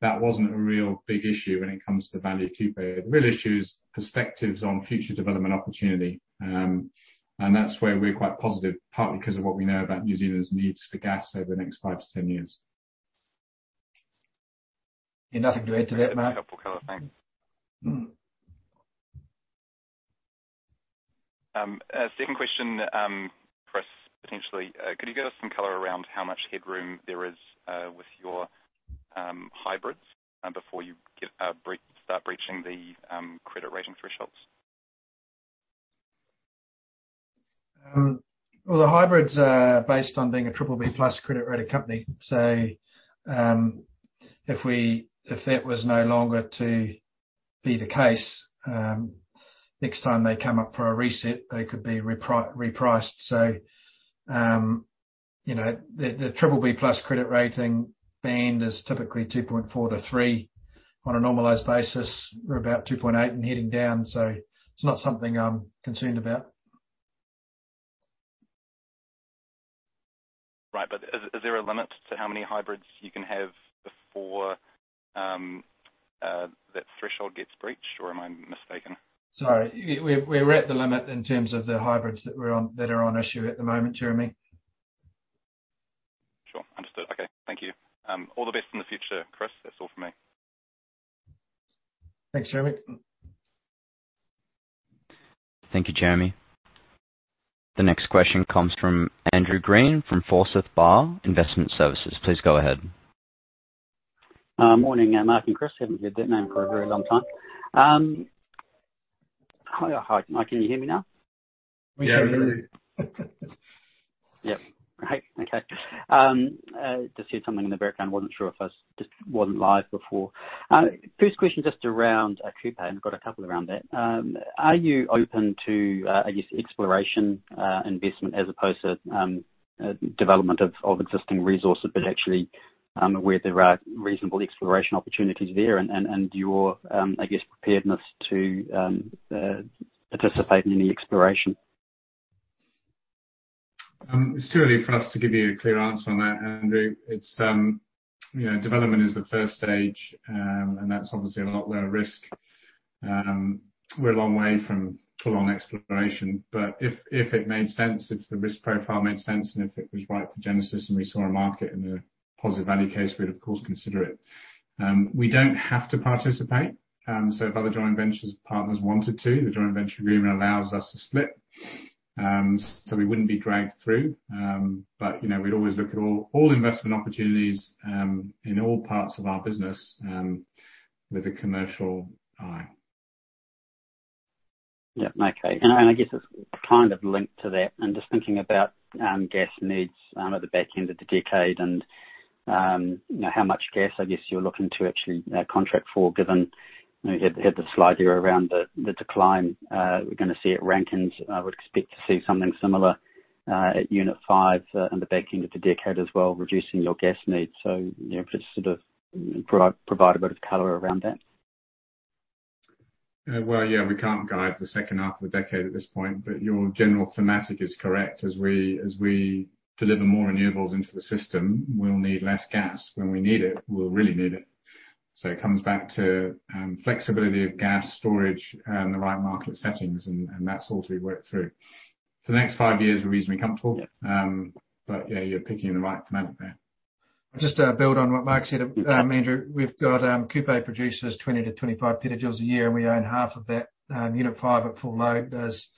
That wasn't a real big issue when it comes to the value of Kupe. The real issue is perspectives on future development opportunity. That's where we're quite positive, partly because of what we know about New Zealand's needs for gas over the next 5-10 years. Nothing to add to that, Marc. Very helpful color. Thanks. Second question, Chris, potentially, could you give us some color around how much headroom there is with your hybrids before you start breaching the credit rating thresholds? Well, the hybrids are based on being a BBB+ credit-rated company. If that was no longer to be the case, next time they come up for a reset, they could be repriced. The BBB+ credit rating band is typically 2.4 to 3 on a normalized basis. We're about 2.8 and heading down, so it's not something I'm concerned about. Right. Is there a limit to how many hybrids you can have before that threshold gets breached, or am I mistaken? Sorry. We're at the limit in terms of the hybrids that are on issue at the moment, Jeremy. Sure. Understood. Okay. Thank you. All the best in the future, Chris. That's all from me. Thanks, Jeremy. Thank you, Jeremy. The next question comes from Andrew Green from Forsyth Barr Investment Services. Please go ahead. Morning, Marc and Chris. Haven't said that name for a very long time. Hi, Marc. Can you hear me now? We can. Yeah, we can hear you. Yep. Great. Okay. Just heard something in the background. Wasn't sure if I just wasn't live before. First question, just around Kupe. I've got a couple around that. Are you open to, I guess, exploration investment as opposed to development of existing resources, but actually, where there are reasonable exploration opportunities there and your, I guess, preparedness to participate in any exploration? It's too early for us to give you a clear answer on that, Andrew. Development is the first stage, and that's obviously a lot lower risk. We're a long way from full-on exploration, but if it made sense, if the risk profile made sense, and if it was right for Genesis and we saw a market and a positive value case, we'd of course consider it. We don't have to participate. If other joint ventures partners wanted to, the joint venture agreement allows us to split. We wouldn't be dragged through. We'd always look at all investment opportunities in all parts of our business with a commercial eye. Yeah, okay. I guess it's kind of linked to that and just thinking about gas needs at the back end of the decade and how much gas, I guess, you're looking to actually contract for given you had the slide there around the decline we're going to see at Rankine. I would expect to see something similar at Unit 5 in the back end of the decade as well, reducing your gas needs. Just sort of provide a bit of color around that. Well, yeah, we can't guide the second half of the decade at this point. Your general thematic is correct. As we deliver more renewables into the system, we'll need less gas. When we need it, we'll really need it. It comes back to flexibility of gas storage and the right market settings, and that's all to be worked through. For the next five years, we're reasonably comfortable. Yeah. Yeah, you're picking the right thematic there. Just to build on what Marc said, Andrew, we've got Kupe produces 20-25 petajoules a year, we own half of that. Unit 5 at full load does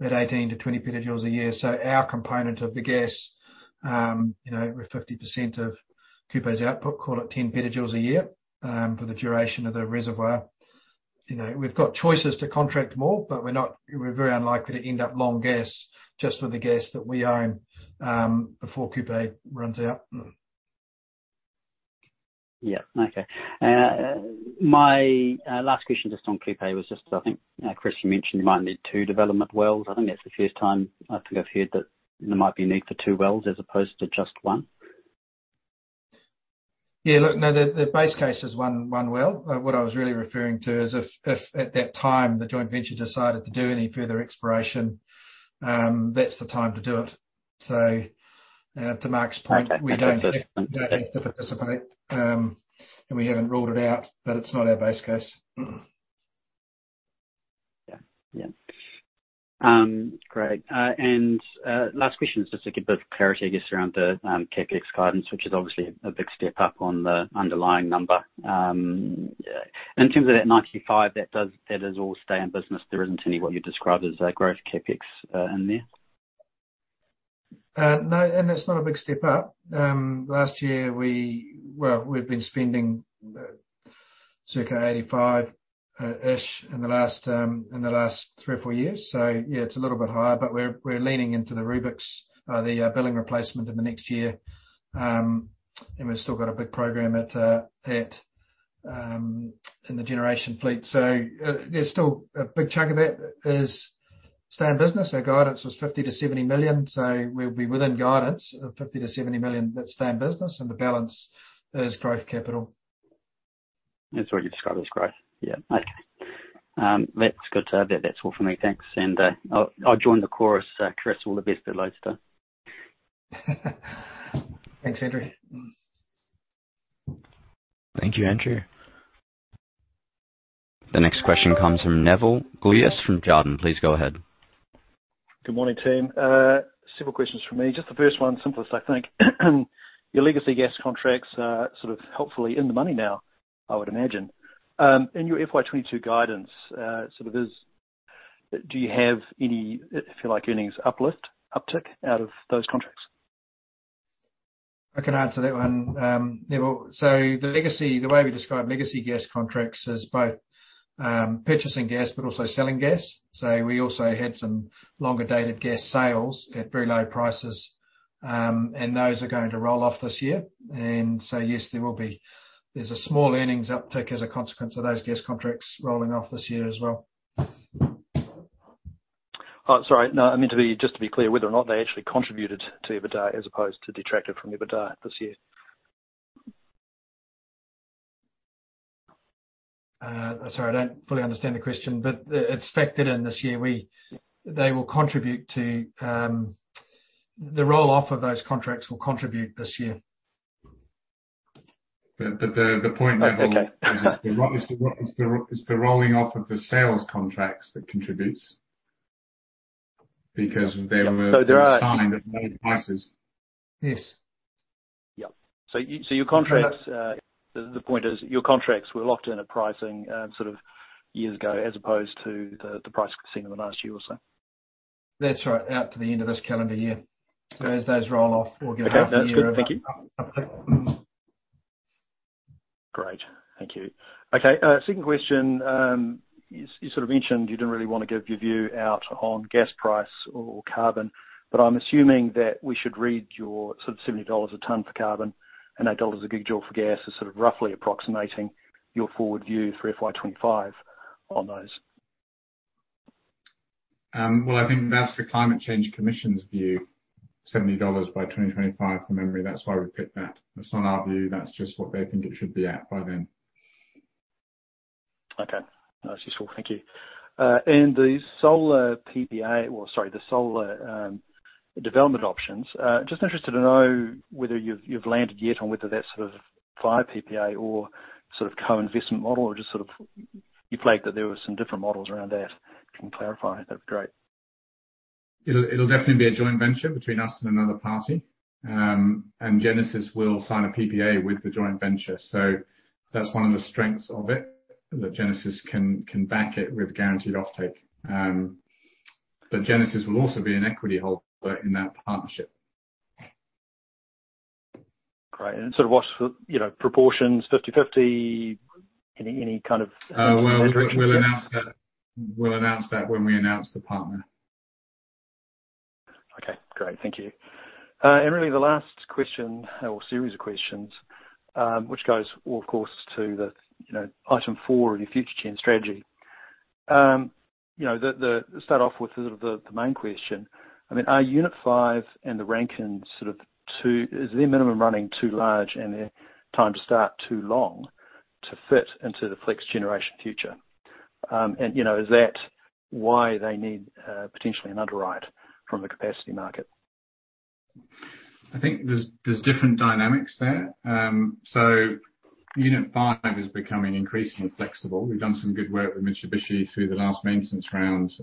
about 18-20 petajoules a year. Our component of the gas, we're 50% of Kupe's output, call it 10 petajoules a year, for the duration of the reservoir. We've got choices to contract more, we're very unlikely to end up long gas just for the gas that we own before Kupe runs out. Yeah. Okay. My last question just on Kupe was just, I think, Chris, you mentioned you might need two development wells. I think that's the first time I think I've heard that there might be a need for two wells as opposed to just 1. Yeah. Look, no, the base case is one well. What I was really referring to is if, at that time, the joint venture decided to do any further exploration, that's the time to do it. To Marc's point, we don't have to participate. Okay. We haven't ruled it out, but it's not our base case. Yeah. Great. Last question is just to get a bit of clarity, I guess, around the CapEx guidance, which is obviously a big step-up on the underlying number. In terms of that 95, that is all stay in business. There isn't any what you describe as growth CapEx in there? No, it's not a big step up. Last year, well, we've been spending circa 85-ish million in the last three or four years. Yeah, it's a little bit higher, but we're leaning into the Rubiks, the billing replacement in the next year. We've still got a big program in the generation fleet. There's still a big chunk of it is stay in business. Our guidance was 50 million-70 million, we'll be within guidance of 50 million-70 million, that's stay in business and the balance is growth capital. That's what you describe as growth. Yeah. Okay. That's good. That's all for me. Thanks. I'll join the chorus. Chris, all the best with Lodestone Energy. Thanks, Andrew. Thank you, Andrew. The next question comes from Nevill Gluyas from Jarden. Please go ahead. Good morning, team. Several questions from me. Just the first one, simplest, I think. Your legacy gas contracts are sort of hopefully in the money now, I would imagine. In your FY 2022 guidance, do you have any, if you like, earnings uplift, uptick out of those contracts? I can answer that one, Nevill. The way we describe legacy gas contracts is both purchasing gas but also selling gas. We also had some longer-dated gas sales at very low prices, and those are going to roll off this year. Yes, there will be. There's a small earnings uptick as a consequence of those gas contracts rolling off this year as well. Oh, sorry. No, I meant just to be clear whether or not they actually contributed to EBITDA as opposed to detracted from the EBITDA this year. Sorry, I don't fully understand the question, but it's factored in this year. The roll-off of those contracts will contribute this year. The point, Nevill. Okay. It's the rolling off of the sales contracts that contributes. So there are- signed at low prices. Yes. Yeah. Your contracts, the point is your contracts were locked in at pricing sort of years ago, as opposed to the price we've seen in the last year or so. That's right. Out to the end of this calendar year. As those roll off, we'll get a half year of uptick. Okay. That's good. Thank you. Great. Thank you. Okay, second question. You sort of mentioned you didn't really want to give your view out on gas price or carbon, but I'm assuming that we should read your sort of 70 dollars a tonne for carbon and 8 dollars a gigajoule for gas as sort of roughly approximating your forward view for FY 2025 on those. Well, I think that's the Climate Change Commission's view, 70 dollars by 2025 from memory. That's why we picked that. That's not our view, that's just what they think it should be at by then. Okay. That's useful. Thank you. The solar PPA, well, sorry, the solar development options. Just interested to know whether you've landed yet on whether that sort of via PPA or sort of co-investment model or just sort of you flagged that there were some different models around that. If you can clarify, that'd be great. It'll definitely be a joint venture between us and another party. Genesis will sign a PPA with the joint venture. That's one of the strengths of it, that Genesis can back it with guaranteed offtake. Genesis will also be an equity holder in that partnership. Great. What's the proportions, 50/50? Any kind of direction? Well, we'll announce that when we announce the partner. Okay, great. Thank you. Really the last question or series of questions, which goes, of course, to the item four in your Future-gen strategy. To start off with the sort of the main question, are Unit 5 and the Rankine, is their minimum running too large and their time to start too long to fit into the flex generation future? Is that why they need potentially an underwrite from the capacity market? I think there's different dynamics there. Unit 5 is becoming increasingly flexible. We've done some good work with Mitsubishi through the last maintenance rounds,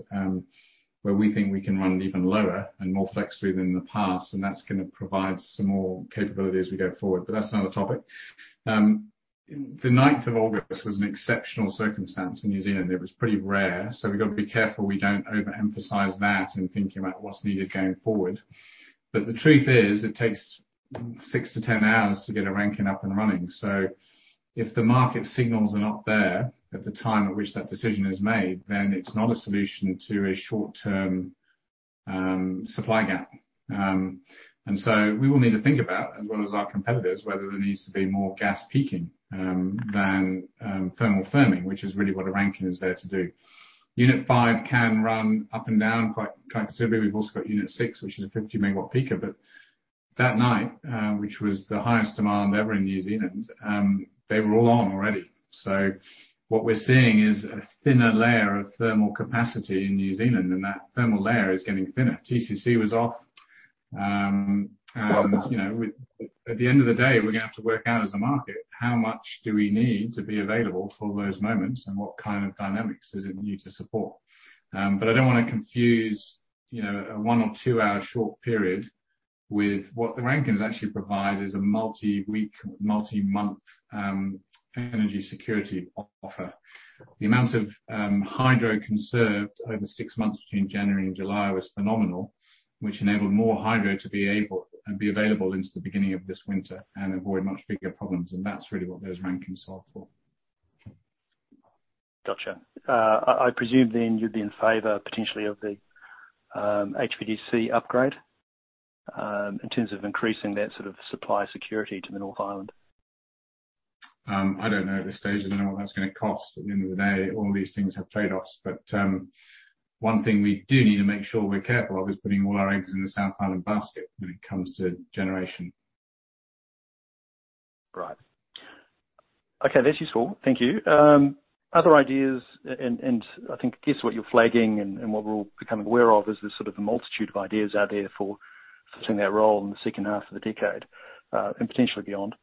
where we think we can run even lower and more flexibly than in the past, and that's going to provide some more capability as we go forward. That's another topic. The ninth of August was an exceptional circumstance in New Zealand. It was pretty rare, we've got to be careful we don't overemphasize that in thinking about what's needed going forward. The truth is, it takes 6-10 hours to get a Rankine up and running. If the market signals are not there at the time at which that decision is made, it's not a solution to a short-term supply gap. We will need to think about, as well as our competitors, whether there needs to be more gas peaking than thermal firming, which is really what a Rankine is there to do. Unit 5 can run up and down quite considerably. We've also got Unit 6, which is a 50 MW peaker. That night, which was the highest demand ever in New Zealand, they were all on already. What we're seeing is a thinner layer of thermal capacity in New Zealand, and that thermal layer is getting thinner. TCC was off. At the end of the day, we're going to have to work out as a market how much do we need to be available for those moments and what kind of dynamics does it need to support. I don't want to confuse a one or two-hour short period with what the Rankines actually provide is a multi-week, multi-month energy security offer. The amount of hydro conserved over six months between January and July was phenomenal, which enabled more hydro to be available into the beginning of this winter and avoid much bigger problems. That's really what those Rankines solve for. Got you. I presume then you'd be in favor potentially of the HVDC upgrade, in terms of increasing that sort of supply security to the North Island? I don't know at this stage. I don't know what that's going to cost. At the end of the day, all these things have trade-offs. One thing we do need to make sure we're careful of is putting all our eggs in the South Island basket when it comes to generation. Right. Okay, that's useful. Thank you. Other ideas and I think, I guess what you're flagging and what we're all becoming aware of is this sort of multitude of ideas out there for sitting that role in the second half of the decade, and potentially beyond.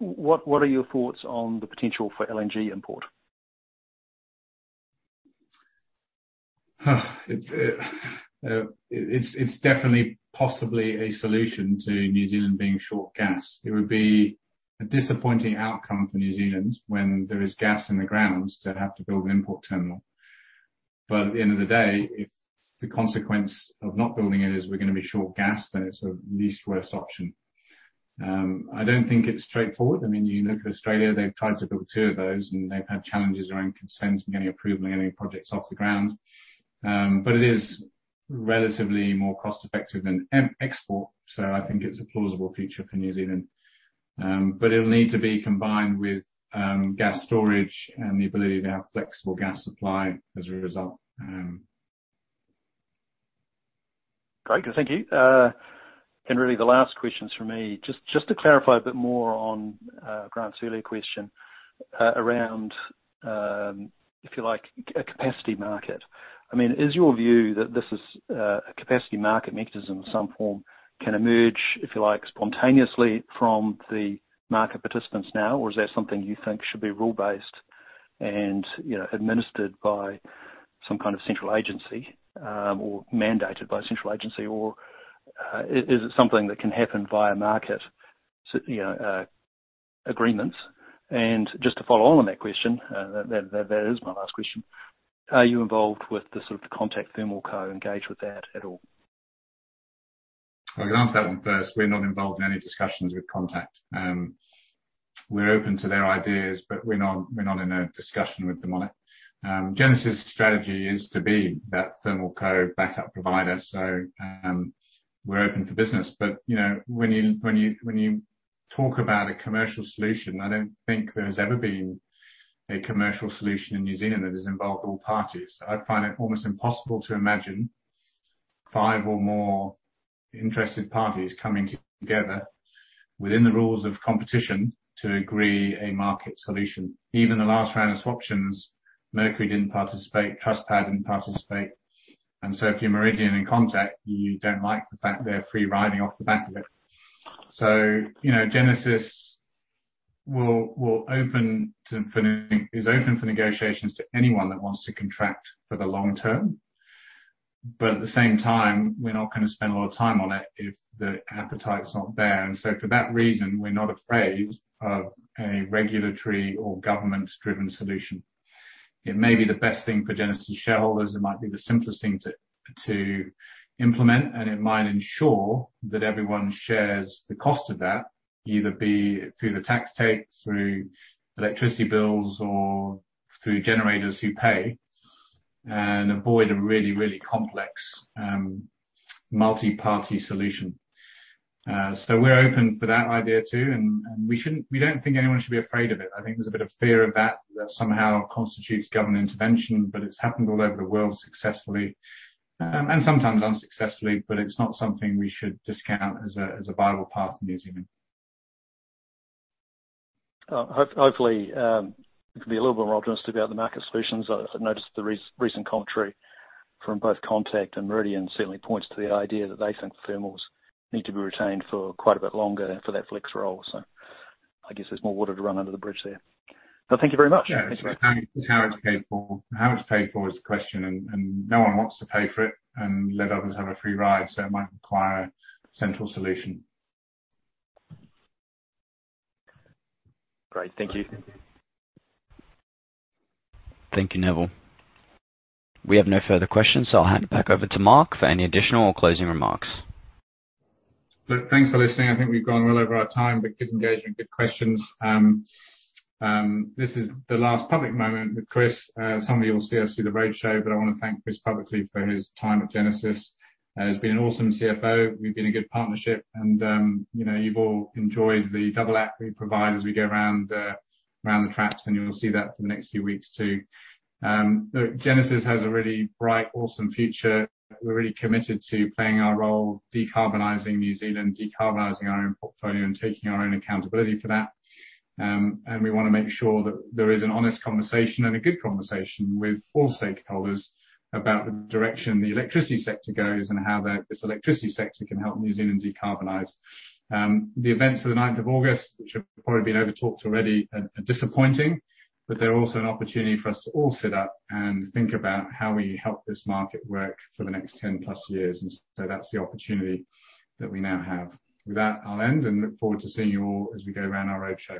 What are your thoughts on the potential for LNG import? It's definitely possibly a solution to New Zealand being short gas. It would be a disappointing outcome for New Zealand when there is gas in the grounds to have to build an import terminal. At the end of the day, if the consequence of not building it is we're going to be short gas, then it's a least worst option. I don't think it's straightforward. You look at Australia, they've tried to build two of those, and they've had challenges around consent and getting approval and getting projects off the ground. It is relatively more cost-effective than export, so I think it's a plausible future for New Zealand. It'll need to be combined with gas storage and the ability to have flexible gas supply as a result. Great. Thank you. Really the last questions from me, just to clarify a bit more on Grant's earlier question around, if you like, a capacity market. Is your view that this is a capacity market mechanism of some form can emerge, if you like, spontaneously from the market participants now, or is that something you think should be rule-based and administered by some kind of central agency, or mandated by a central agency, or is it something that can happen via market agreements? Just to follow on that question, that is my last question. Are you involved with the sort of the Contact ThermalCo engage with that at all? I can answer that one first. We're not involved in any discussions with Contact Energy. We're open to their ideas, but we're not in a discussion with them on it. Genesis Energy strategy is to be that ThermalCo backup provider. We're open for business. When you talk about a commercial solution, I don't think there's ever been a commercial solution in New Zealand that has involved all parties. I find it almost impossible to imagine five or more interested parties coming together within the rules of competition to agree a market solution. Even the last round of swaptions, Mercury NZ didn't participate, Trustpower didn't participate, if you're Meridian Energy and Contact Energy, you don't like the fact they're free riding off the back of it. Genesis Energy is open for negotiations to anyone that wants to contract for the long term. At the same time, we're not going to spend a lot of time on it if the appetite's not there. For that reason, we're not afraid of a regulatory or government-driven solution. It may be the best thing for Genesis shareholders, it might be the simplest thing to implement, and it might ensure that everyone shares the cost of that, either be it through the tax take, through electricity bills, or through generators who pay and avoid a really complex multi-party solution. We're open for that idea, too, and we don't think anyone should be afraid of it. I think there's a bit of fear of that somehow constitutes government intervention, but it's happened all over the world successfully, and sometimes unsuccessfully, but it's not something we should discount as a viable path in New Zealand. Hopefully, it can be a little bit more optimistic about the market solutions. I've noticed the recent commentary from both Contact and Meridian certainly points to the idea that they think thermals need to be retained for quite a bit longer for that flex role. I guess there's more water to run under the bridge there. Thank you very much. Yeah. It's how it's paid for. How it's paid for is the question, and no one wants to pay for it and let others have a free ride, so it might require a central solution. Great. Thank you. Thank you, Nevill. We have no further questions, so I'll hand it back over to Marc for any additional or closing remarks. Look, thanks for listening. I think we've gone well over our time. Good engagement, good questions. This is the last public moment with Chris. Some of you will see us through the roadshow, I want to thank Chris publicly for his time at Genesis Energy. He's been an awesome CFO. We've been a good partnership. You've all enjoyed the double act we provide as we go around the traps, you'll see that for the next few weeks, too. Genesis Energy has a really bright, awesome future. We're really committed to playing our role, decarbonizing New Zealand, decarbonizing our own portfolio, and taking our own accountability for that. We want to make sure that there is an honest conversation and a good conversation with all stakeholders about the direction the electricity sector goes and how this electricity sector can help New Zealand decarbonize. The events of the August 9th, which have probably been over-talked already, are disappointing. They're also an opportunity for us to all sit up and think about how we help this market work for the next 10+ years. That's the opportunity that we now have. With that, I'll end and look forward to seeing you all as we go around our roadshow.